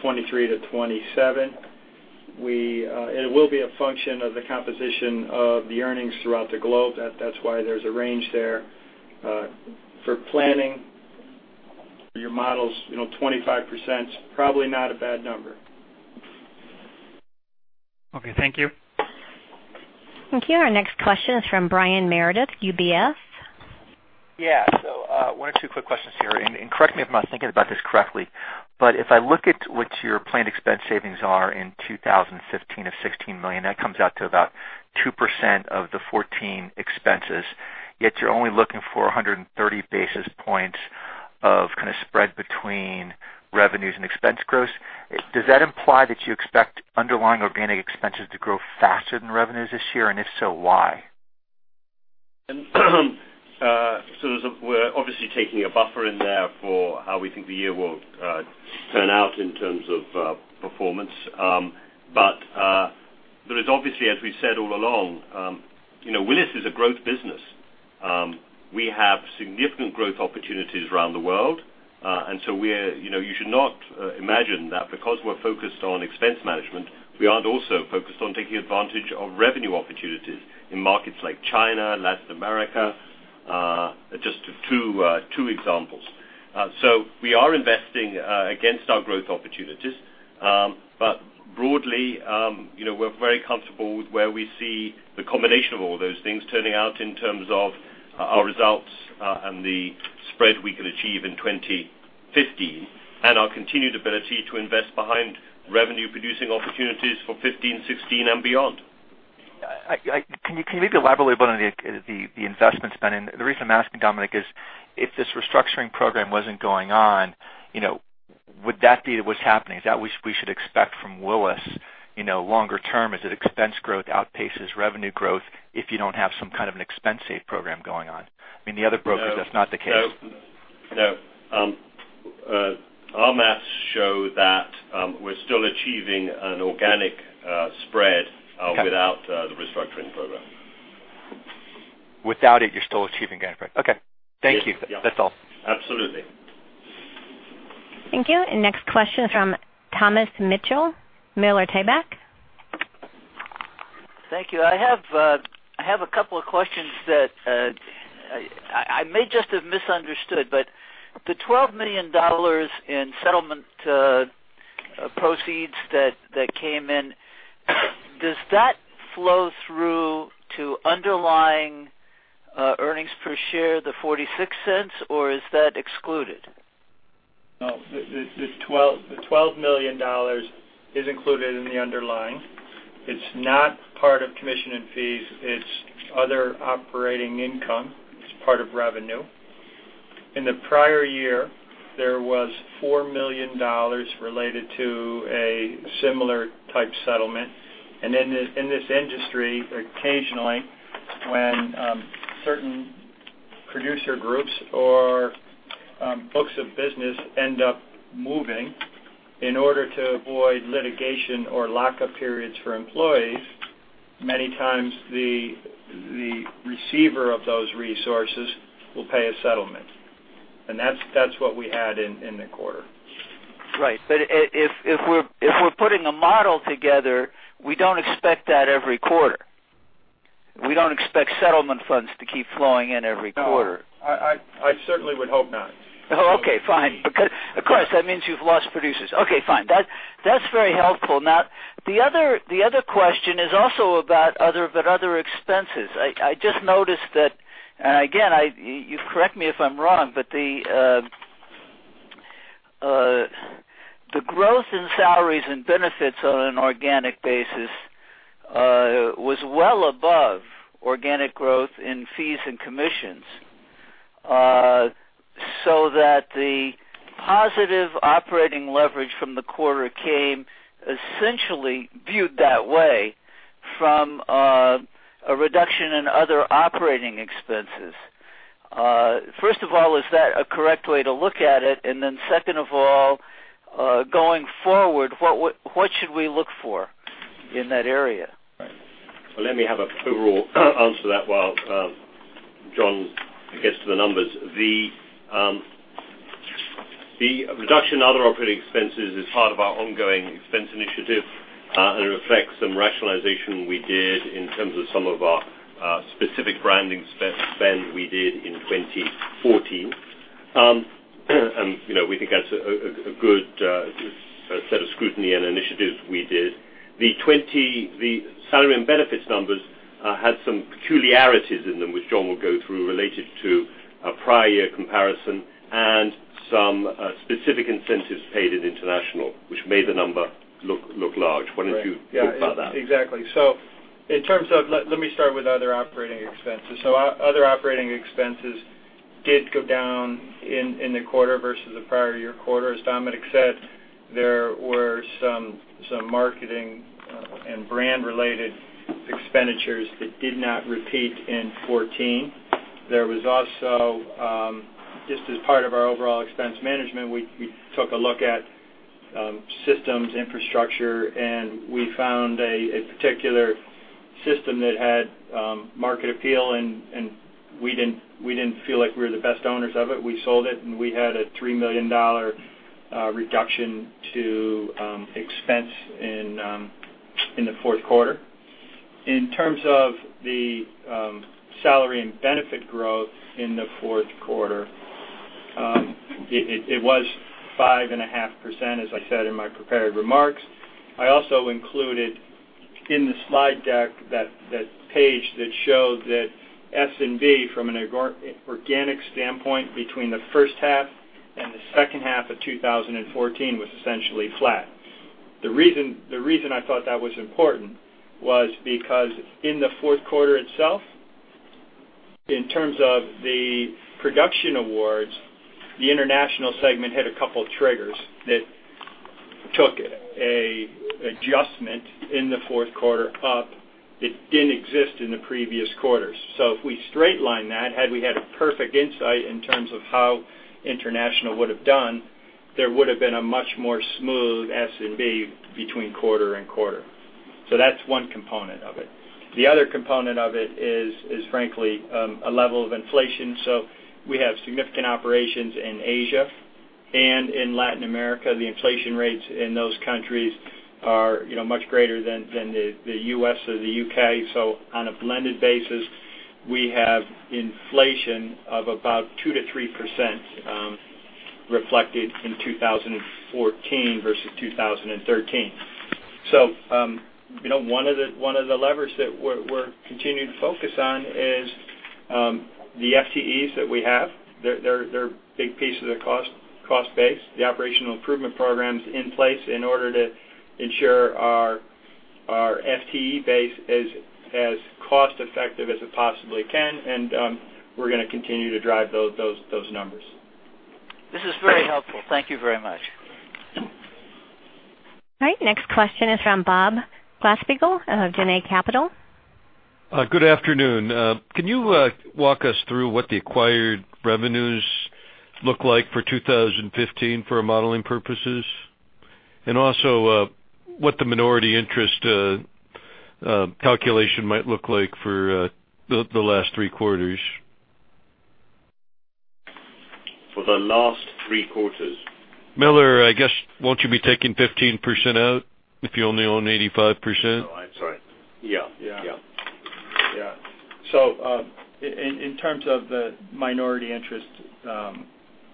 23 to 27. It will be a function of the composition of the earnings throughout the globe. That's why there's a range there. For planning your models, 25% is probably not a bad number. Okay, thank you. Thank you. Our next question is from Brian Meredith, UBS. Yeah. One or two quick questions here, correct me if I'm not thinking about this correctly. If I look at what your planned expense savings are in 2015 of $16 million, that comes out to about 2% of the 2014 expenses. Yet you're only looking for 130 basis points of kind of spread between revenues and expense growth. Does that imply that you expect underlying organic expenses to grow faster than revenues this year? If so, why? We're obviously taking a buffer in there for how we think the year will turn out in terms of performance. There is obviously, as we said all along, Willis is a growth business. We have significant growth opportunities around the world. You should not imagine that because we're focused on expense management, we aren't also focused on taking advantage of revenue opportunities in markets like China, Latin America, just two examples. We are investing against our growth opportunities. Broadly, we're very comfortable with where we see the combination of all those things turning out in terms of our results and the spread we can achieve in 2015, and our continued ability to invest behind revenue producing opportunities for 2015, 2016, and beyond. Can you maybe elaborate a little bit on the investment spend? The reason I'm asking, Dominic, is if this restructuring program wasn't going on, would that be what's happening? Is that what we should expect from Willis longer term? As its expense growth outpaces revenue growth if you don't have some kind of an expense save program going on? In the other brokers, that's not the case. No. Our math show that we're still achieving an organic spread- Okay without the restructuring program. Without it, you're still achieving that spread. Okay. Thank you. Yes. That's all. Absolutely. Thank you. Next question from Thomas Mitchell, Miller Tabak. Thank you. I have a couple of questions that I may just have misunderstood. The $12 million in settlement proceeds that came in, does that flow through to underlying earnings per share, the $0.46, or is that excluded? No, the $12 million is included in the underlying. It's not part of commission and fees. It's other operating income. It's part of revenue. In the prior year, there was $4 million related to a similar type settlement. In this industry, occasionally, when certain producer groups or books of business end up moving, in order to avoid litigation or lockup periods for employees, many times the receiver of those resources will pay a settlement. That's what we had in the quarter. Right. If we're putting a model together, we don't expect that every quarter. We don't expect settlement funds to keep flowing in every quarter. No. I certainly would hope not. Oh, okay, fine. Because, of course, that means you've lost producers. Okay, fine. That's very helpful. The other question is also about other expenses. I just noticed that, again, you correct me if I'm wrong, but the growth in salaries and benefits on an organic basis was well above organic growth in fees and commissions, so that the positive operating leverage from the quarter came essentially viewed that way from a reduction in other operating expenses. First of all, is that a correct way to look at it? Then second of all, going forward, what should we look for in that area? Right. Let me have an overall answer to that while John gets to the numbers. The reduction in other operating expenses is part of our ongoing expense initiative, and it reflects some rationalization we did in terms of some of our specific branding spend we did in 2014. We think that's a good set of scrutiny and initiatives we did. The salary and benefits numbers had some peculiarities in them, which John will go through related to a prior year comparison and some specific incentives paid in international, which made the number look large. Why don't you talk about that? Exactly. Let me start with other operating expenses. Other operating expenses did go down in the quarter versus the prior year quarter. As Dominic said, there were some marketing and brand related expenditures that did not repeat in 2014. There was also, just as part of our overall expense management, we took a look at Systems infrastructure, we found a particular system that had market appeal, we didn't feel like we were the best owners of it. We sold it, we had a $3 million reduction to expense in the fourth quarter. In terms of the salary and benefit growth in the fourth quarter, it was 5.5%, as I said in my prepared remarks. I also included in the slide deck that page that showed that S&B, from an organic standpoint, between the first half and the second half of 2014, was essentially flat. The reason I thought that was important was because in the fourth quarter itself, in terms of the production awards, the international segment had a couple of triggers that took an adjustment in the fourth quarter up that didn't exist in the previous quarters. If we straight line that, had we had perfect insight in terms of how international would've done, there would've been a much more smooth S&B between quarter and quarter. That's one component of it. The other component of it is frankly, a level of inflation. We have significant operations in Asia and in Latin America. The inflation rates in those countries are much greater than the U.S. or the U.K. On a blended basis, we have inflation of about 2%-3% reflected in 2014 versus 2013. One of the levers that we're continuing to focus on is the FTEs that we have. They're a big piece of the cost base. The operational improvement programs in place in order to ensure our FTE base is as cost-effective as it possibly can, and we're going to continue to drive those numbers. This is very helpful. Thank you very much. All right. Next question is from Bob Glasspiegel of Janney Montgomery Scott. Good afternoon. Can you walk us through what the acquired revenues look like for 2015 for modeling purposes? Also, what the minority interest calculation might look like for the last three quarters. For the last three quarters. Miller, I guess, won't you be taking 15% out if you only own 85%? Oh, I'm sorry. Yeah. Yeah. In terms of the minority interest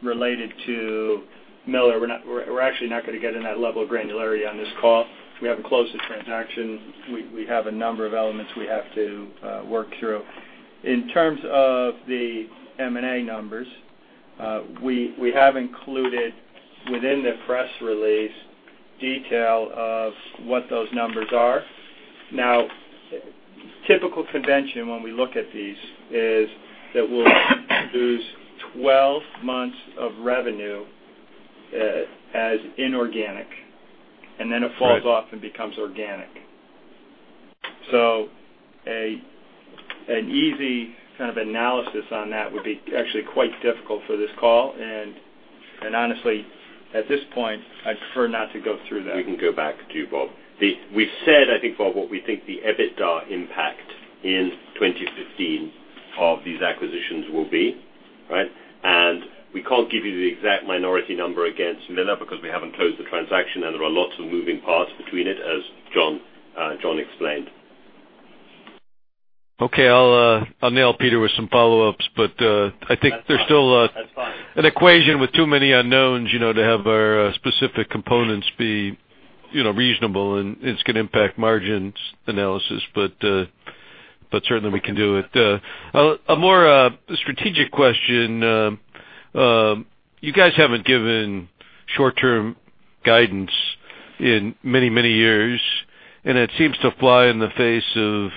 related to Miller, we're actually not going to get in that level of granularity on this call. We haven't closed the transaction. We have a number of elements we have to work through. In terms of the M&A numbers, we have included within the press release detail of what those numbers are. Now, typical convention when we look at these is that we'll lose 12 months of revenue as inorganic, and then it falls off and becomes organic. An easy kind of analysis on that would be actually quite difficult for this call. Honestly, at this point, I'd prefer not to go through that. We can go back to you, Bob. We've said, I think, Bob, what we think the EBITDA impact in 2015 of these acquisitions will be, right? We can't give you the exact minority number against Miller because we haven't closed the transaction, and there are lots of moving parts between it, as John explained. Okay. I'll nail Peter with some follow-ups. I think there's still. That's fine. an equation with too many unknowns to have our specific components be reasonable, and it's going to impact margins analysis. Certainly we can do it. A more strategic question. You guys haven't given short-term guidance in many years, and it seems to fly in the face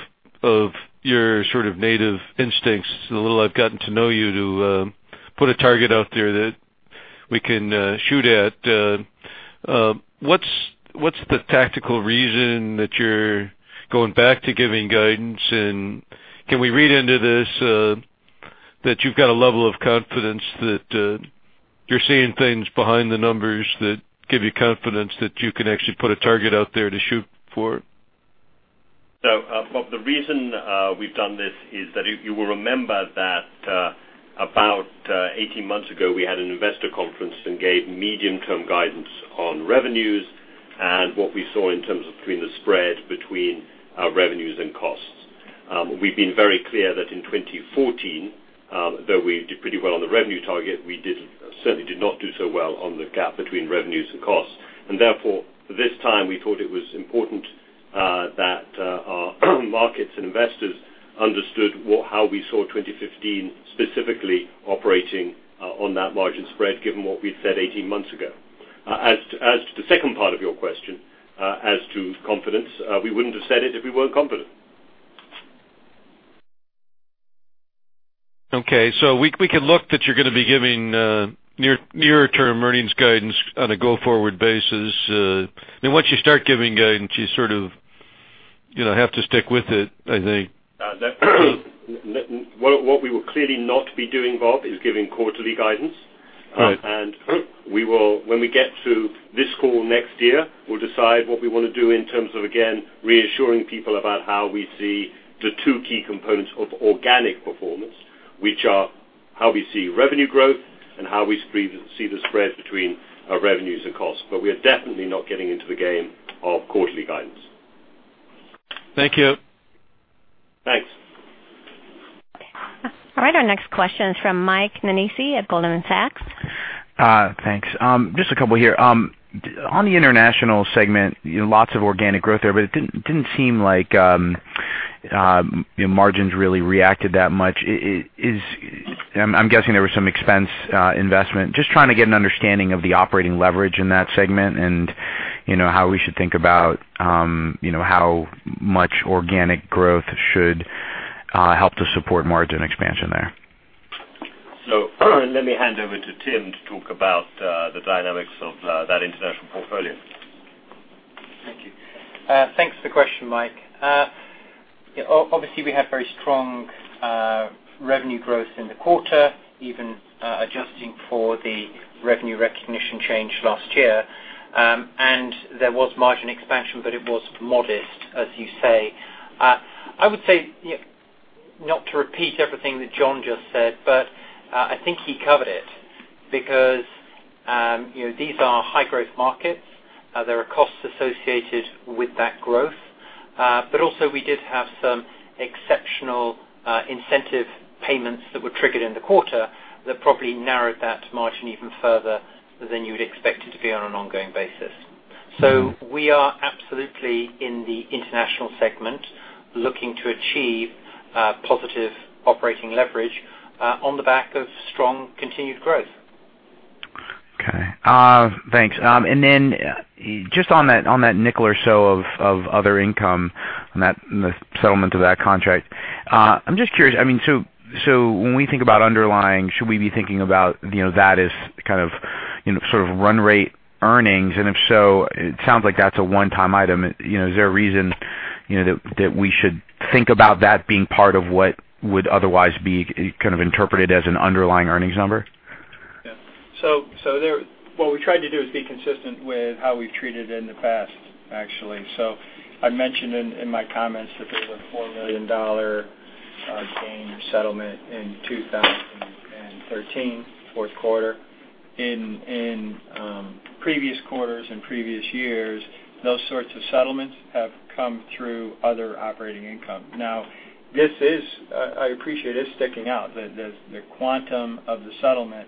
of your sort of native instincts, the little I've gotten to know you, to put a target out there that we can shoot at. What's the tactical reason that you're going back to giving guidance? Can we read into this that you've got a level of confidence that you're seeing things behind the numbers that give you confidence that you can actually put a target out there to shoot for? Bob, the reason we've done this is that you will remember that about 18 months ago, we had an investor conference and gave medium-term guidance on revenues and what we saw in terms of between the spread between our revenues and costs. We've been very clear that in 2014, though we did pretty well on the revenue target, we certainly did not do so well on the gap between revenues and costs. Therefore, this time we thought it was important that our markets and investors understood how we saw 2015 specifically operating on that margin spread, given what we'd said 18 months ago. As to the second part of your question, as to confidence, we wouldn't have said it if we weren't confident. Okay. We can look that you're gonna be giving nearer-term earnings guidance on a go-forward basis. Once you start giving guidance, you sort of You have to stick with it, I think. What we will clearly not be doing, Bob, is giving quarterly guidance. Right. When we get to this call next year, we'll decide what we want to do in terms of, again, reassuring people about how we see the two key components of organic performance, which are how we see revenue growth and how we see the spread between our revenues and costs. We are definitely not getting into the game of quarterly guidance. Thank you. Thanks. All right. Our next question is from Michael Nannizzi at Goldman Sachs. Thanks. Just a couple here. On the international segment, lots of organic growth there, but it didn't seem like your margins really reacted that much. I'm guessing there was some expense investment. Just trying to get an understanding of the operating leverage in that segment and how we should think about how much organic growth should help to support margin expansion there. Let me hand over to Tim to talk about the dynamics of that international portfolio. Thank you. Thanks for the question, Mike. Obviously, we had very strong revenue growth in the quarter, even adjusting for the revenue recognition change last year. There was margin expansion, but it was modest, as you say. I would say, not to repeat everything that John just said, but I think he covered it because these are high growth markets. There are costs associated with that growth. Also we did have some exceptional incentive payments that were triggered in the quarter that probably narrowed that margin even further than you would expect it to be on an ongoing basis. We are absolutely in the international segment, looking to achieve positive operating leverage on the back of strong continued growth. Okay. Thanks. Then just on that $0.05 or so of other income on the settlement of that contract. I'm just curious, when we think about underlying, should we be thinking about that as kind of run rate earnings? If so, it sounds like that's a one-time item. Is there a reason that we should think about that being part of what would otherwise be kind of interpreted as an underlying earnings number? What we tried to do is be consistent with how we've treated it in the past, actually. I mentioned in my comments that there was a $4 million gain or settlement in 2013, fourth quarter. In previous quarters and previous years, those sorts of settlements have come through other operating income. I appreciate it is sticking out. The quantum of the settlement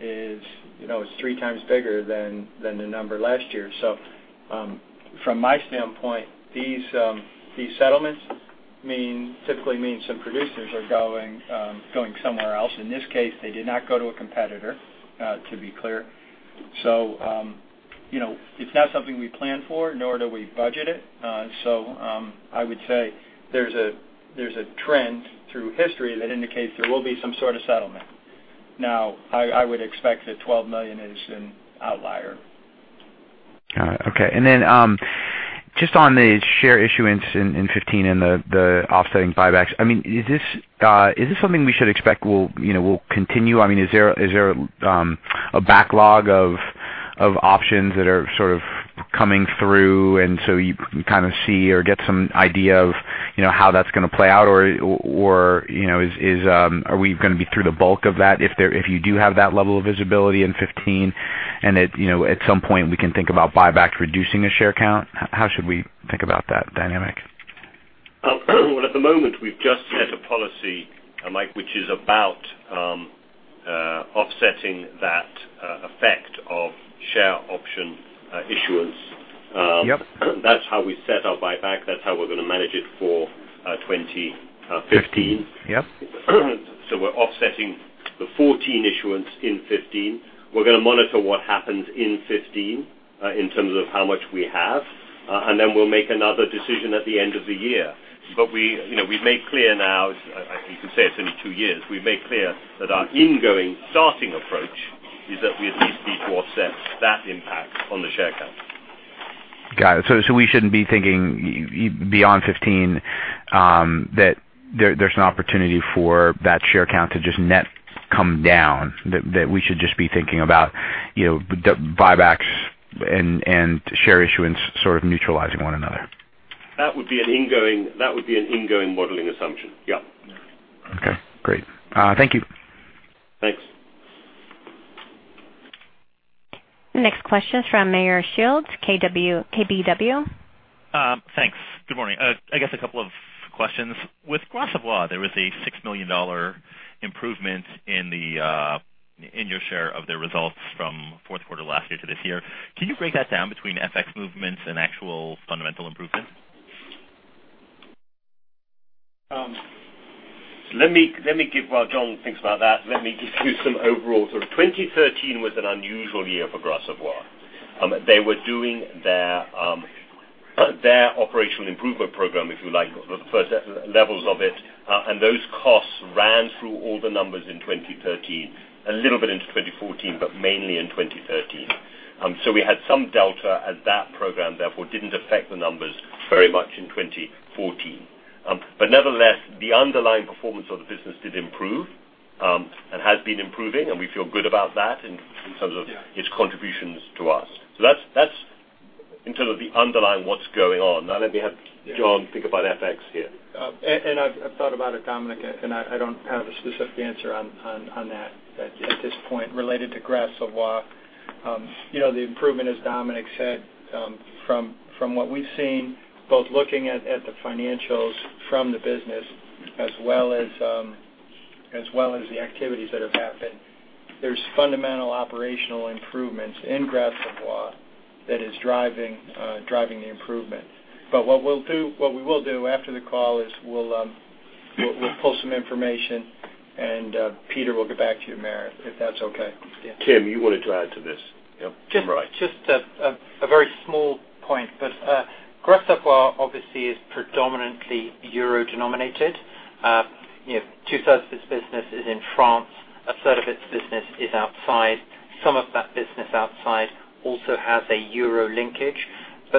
is three times bigger than the number last year. From my standpoint, these settlements typically mean some producers are going somewhere else. In this case, they did not go to a competitor, to be clear. It's not something we plan for, nor do we budget it. I would say there's a trend through history that indicates there will be some sort of settlement. I would expect that $12 million is an outlier. Got it. Okay. Then just on the share issuance in 2015 and the offsetting buybacks. Is this something we should expect will continue? Is there a backlog of options that are sort of coming through, you kind of see or get some idea of how that's going to play out? Are we going to be through the bulk of that if you do have that level of visibility in 2015 and at some point, we can think about buybacks reducing the share count? How should we think about that dynamic? At the moment, we've just set a policy, Mike, which is about offsetting that effect of share option issuance. Yep. That's how we set our buyback. That's how we're going to manage it for 2015. Yep. We're offsetting the 2014 issuance in 2015. We're going to monitor what happens in 2015 in terms of how much we have. We'll make another decision at the end of the year. We've made clear now, you can say it's only two years. We've made clear that our ingoing starting approach is that we at least need to offset that impact on the share count. Got it. We shouldn't be thinking beyond 2015 that there's an opportunity for that share count to just net come down. That we should just be thinking about buybacks and share issuance sort of neutralizing one another. That would be an ingoing modeling assumption. Yep. Okay, great. Thank you. Thanks. Next question is from Meyer Shields, KBW. Thanks. Good morning. I guess a couple of questions. With Gras Savoye, there was a $6 million improvement in your share of the results from fourth quarter last year to this year. Can you break that down between FX movements and actual fundamental improvements? While John thinks about that, let me give you some overall. 2013 was an unusual year for Gras Savoye. They were doing their operational improvement program, if you like, the first levels of it. Those costs ran through all the numbers in 2013, a little bit into 2014, but mainly in 2013. We had some delta as that program therefore didn't affect the numbers very much in 2014. Nevertheless, the underlying performance of the business did improve, and has been improving, and we feel good about that in terms of its contributions to us. That's in terms of the underlying what's going on. Let me have John think about FX here. I've thought about it, Dominic, and I don't have a specific answer on that at this point, related to Gras Savoye. The improvement, as Dominic said, from what we've seen, both looking at the financials from the business as well as the activities that have happened, there's fundamental operational improvements in Gras Savoye that is driving the improvement. What we will do after the call is we'll pull some information and Peter will get back to you, Meyer, if that's okay. Tim, you wanted to add to this? Just a very small point, but Gras Savoye obviously is predominantly euro-denominated. Two-thirds of its business is in France, a third of its business is outside. Some of that business outside also has a euro linkage.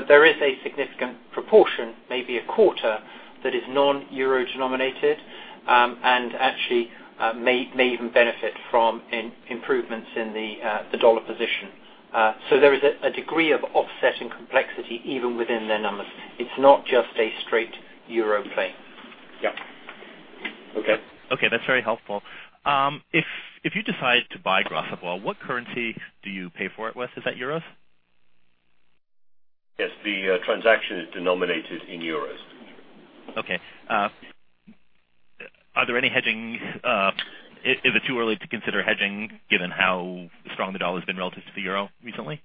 There is a significant proportion, maybe a quarter, that is non-euro denominated and actually may even benefit from improvements in the dollar position. There is a degree of offset and complexity even within their numbers. It's not just a straight euro play. Yeah. Okay. Okay, that's very helpful. If you decide to buy Gras Savoye, what currency do you pay for it with? Is that euros? Yes, the transaction is denominated in euros. Okay. Are there any Is it too early to consider hedging, given how strong the dollar's been relative to the euro recently?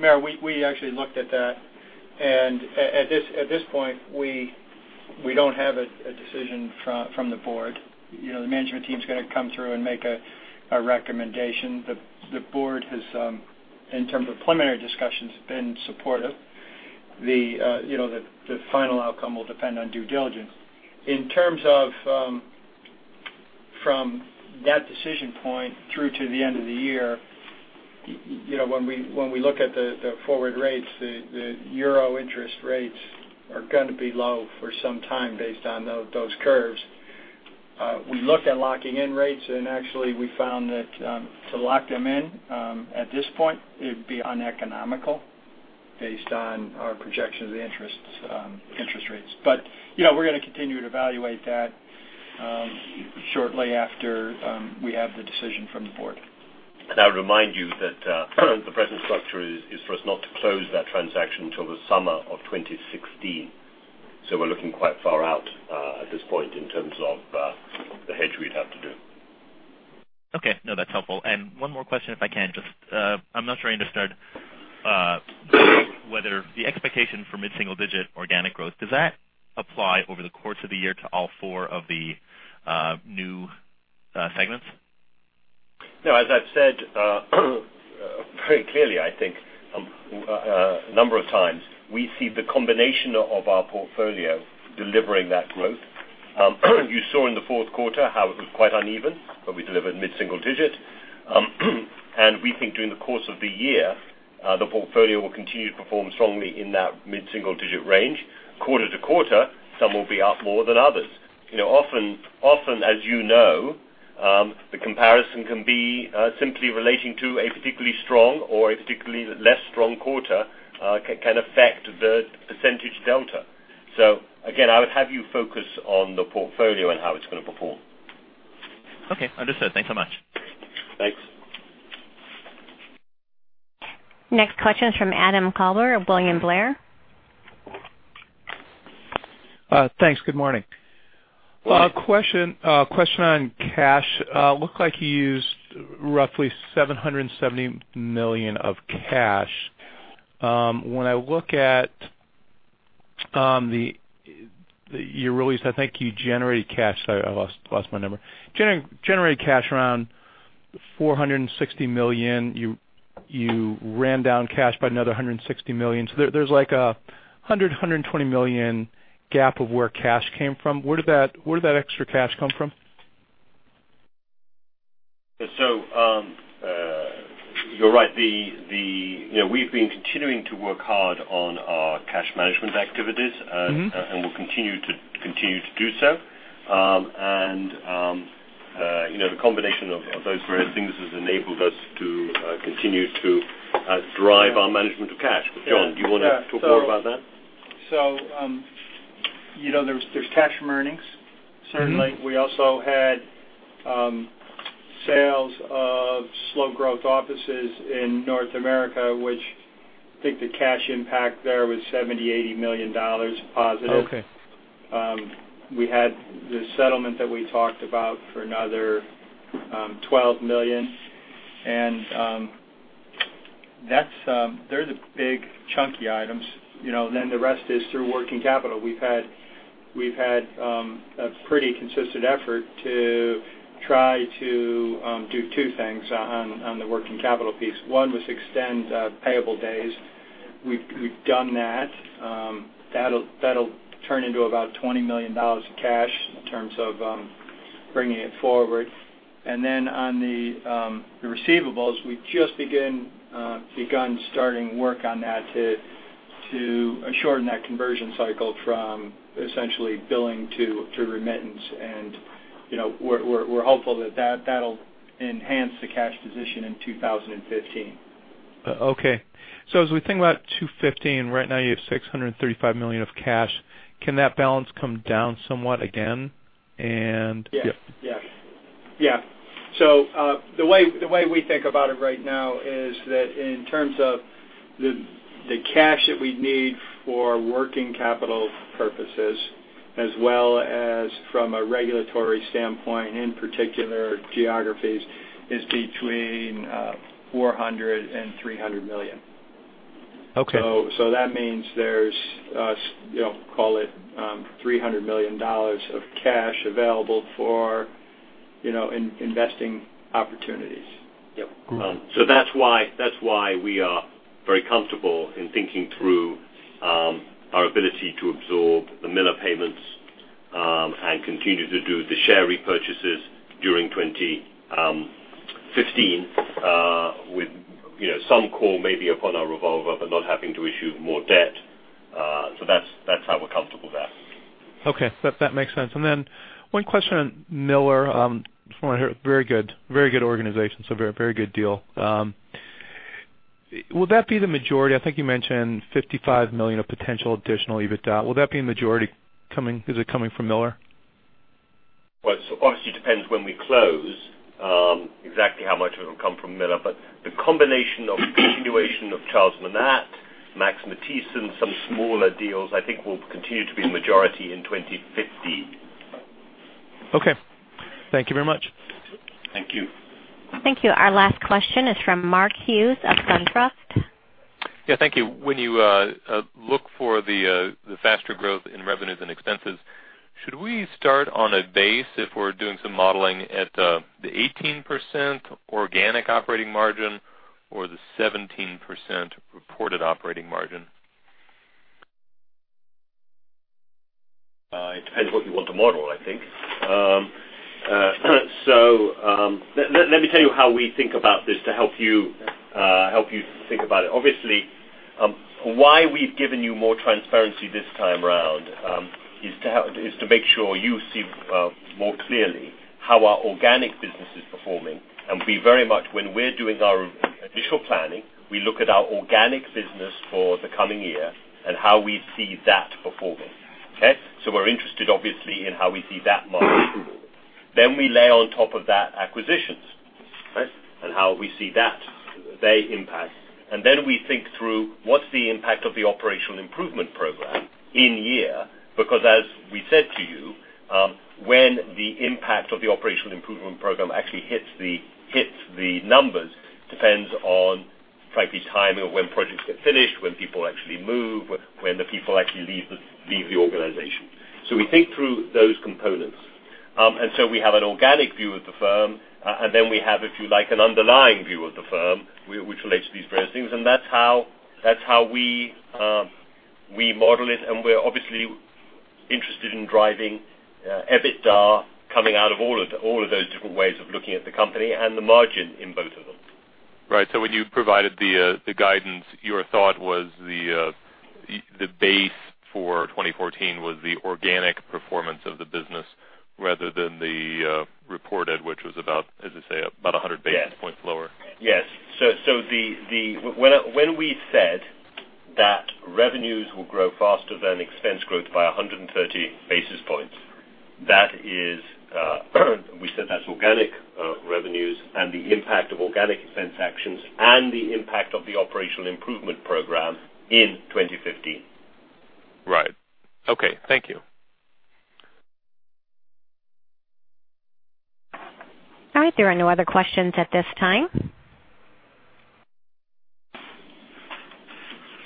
Meyer, we actually looked at that, at this point, we don't have a decision from the board. The management team's going to come through and make a recommendation. The board has, in terms of preliminary discussions, been supportive. The final outcome will depend on due diligence. In terms of from that decision point through to the end of the year, when we look at the forward rates, the euro interest rates are going to be low for some time based on those curves. We looked at locking in rates, actually we found that to lock them in at this point, it would be uneconomical based on our projection of the interest rates. We're going to continue to evaluate that shortly after we have the decision from the board. I would remind you that the present structure is for us not to close that transaction till the summer of 2016. We're looking quite far out at this point in terms of the hedge we'd have to do. Okay. No, that's helpful. One more question if I can. I'm not sure I understood whether the expectation for mid-single digit organic growth, does that apply over the course of the year to all four of the new segments? No, as I've said very clearly, I think, a number of times, we see the combination of our portfolio delivering that growth. You saw in the fourth quarter how it was quite uneven, but we delivered mid-single digit. We think during the course of the year, the portfolio will continue to perform strongly in that mid-single digit range. Quarter to quarter, some will be up more than others. Often as you know, the comparison can be simply relating to a particularly strong or a particularly less strong quarter can affect the % delta. Again, I would have you focus on the portfolio and how it's going to perform. Okay. Understood. Thanks so much. Thanks. Next question is from Adam Klauber of William Blair. Thanks. Good morning. A question on cash. Looked like you used roughly $770 million of cash. When I look at your release, I think you generated cash. I lost my number. Generated cash around $460 million. You ran down cash by another $160 million. There's like $100 million-$120 million gap of where cash came from. Where did that extra cash come from? You're right. We've been continuing to work hard on our cash management activities- We'll continue to do so. The combination of those various things has enabled us to continue to drive our management of cash. John, do you want to talk more about that? There's cash from earnings, certainly. We also had sales of slow growth offices in North America, which I think the cash impact there was $70 million-$80 million positive. Okay. We had the settlement that we talked about for another 12 million. They're the big chunky items. The rest is through working capital. We've had a pretty consistent effort to try to do two things on the working capital piece. One was extend payable days. We've done that. That'll turn into about $20 million of cash in terms of bringing it forward. On the receivables, we've just begun starting work on that to shorten that conversion cycle from essentially billing to remittance. We're hopeful that that'll enhance the cash position in 2015. Okay. As we think about 2015, right now you have $635 million of cash. Can that balance come down somewhat again? Yes. The way we think about it right now is that in terms of the cash that we'd need for working capital purposes, as well as from a regulatory standpoint, in particular geographies, is between $400 million and $300 million. Okay. That means there's, call it $300 million of cash available for investing opportunities. Yep. That's why we are very comfortable in thinking through our ability to absorb the Miller payments and continue to do the share repurchases during 2015 with some call maybe upon our revolver, but not having to issue more debt. That's how we're comfortable there. Okay. That makes sense. Then one question on Miller. Very good organization. Very good deal. Will that be the majority? I think you mentioned $55 million of potential additional EBITDA. Is it coming from Miller? It obviously depends when we close exactly how much of it will come from Miller, the combination of continuation of Charles Monat, Max Matthiessen, some smaller deals, I think will continue to be the majority in 2015. Okay. Thank you very much. Thank you. Thank you. Our last question is from Mark Hughes of SunTrust. Yeah, thank you. When you look for the faster growth in revenues and expenses, should we start on a base if we're doing some modeling at the 18% organic operating margin or the 17% reported operating margin? It depends what you want to model, I think. Let me tell you how we think about this to help you think about it. Obviously, why we've given you more transparency this time around is to make sure you see more clearly how our organic business is performing. We very much, when we're doing our initial planning, we look at our organic business for the coming year and how we see that performing. Okay? We're interested obviously in how we see that margin. Then we lay on top of that acquisitions. Right? How we see their impact. Then we think through what's the impact of the operational improvement program in year. As we said to you, when the impact of the operational improvement program actually hits the numbers depends on frankly timing of when projects get finished, when people actually move, when the people actually leave the organization. We think through those components. We have an organic view of the firm, and then we have, if you like, an underlying view of the firm which relates to these various things. That's how we model it. We're obviously interested in driving EBITDA coming out of all of those different ways of looking at the company and the margin in both of them. Right. When you provided the guidance, your thought was the base for 2014 was the organic performance of the business rather than the reported, which was about, as you say, about 100 basis points lower. Yes. When we said that revenues will grow faster than expense growth by 130 basis points, we said that's organic revenues and the impact of organic expense actions and the impact of the operational improvement program in 2015. Right. Okay. Thank you. All right. There are no other questions at this time.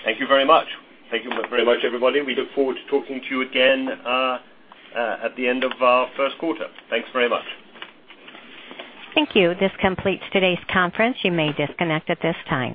Thank you very much. Thank you very much, everybody. We look forward to talking to you again at the end of our first quarter. Thanks very much. Thank you. This completes today's conference. You may disconnect at this time.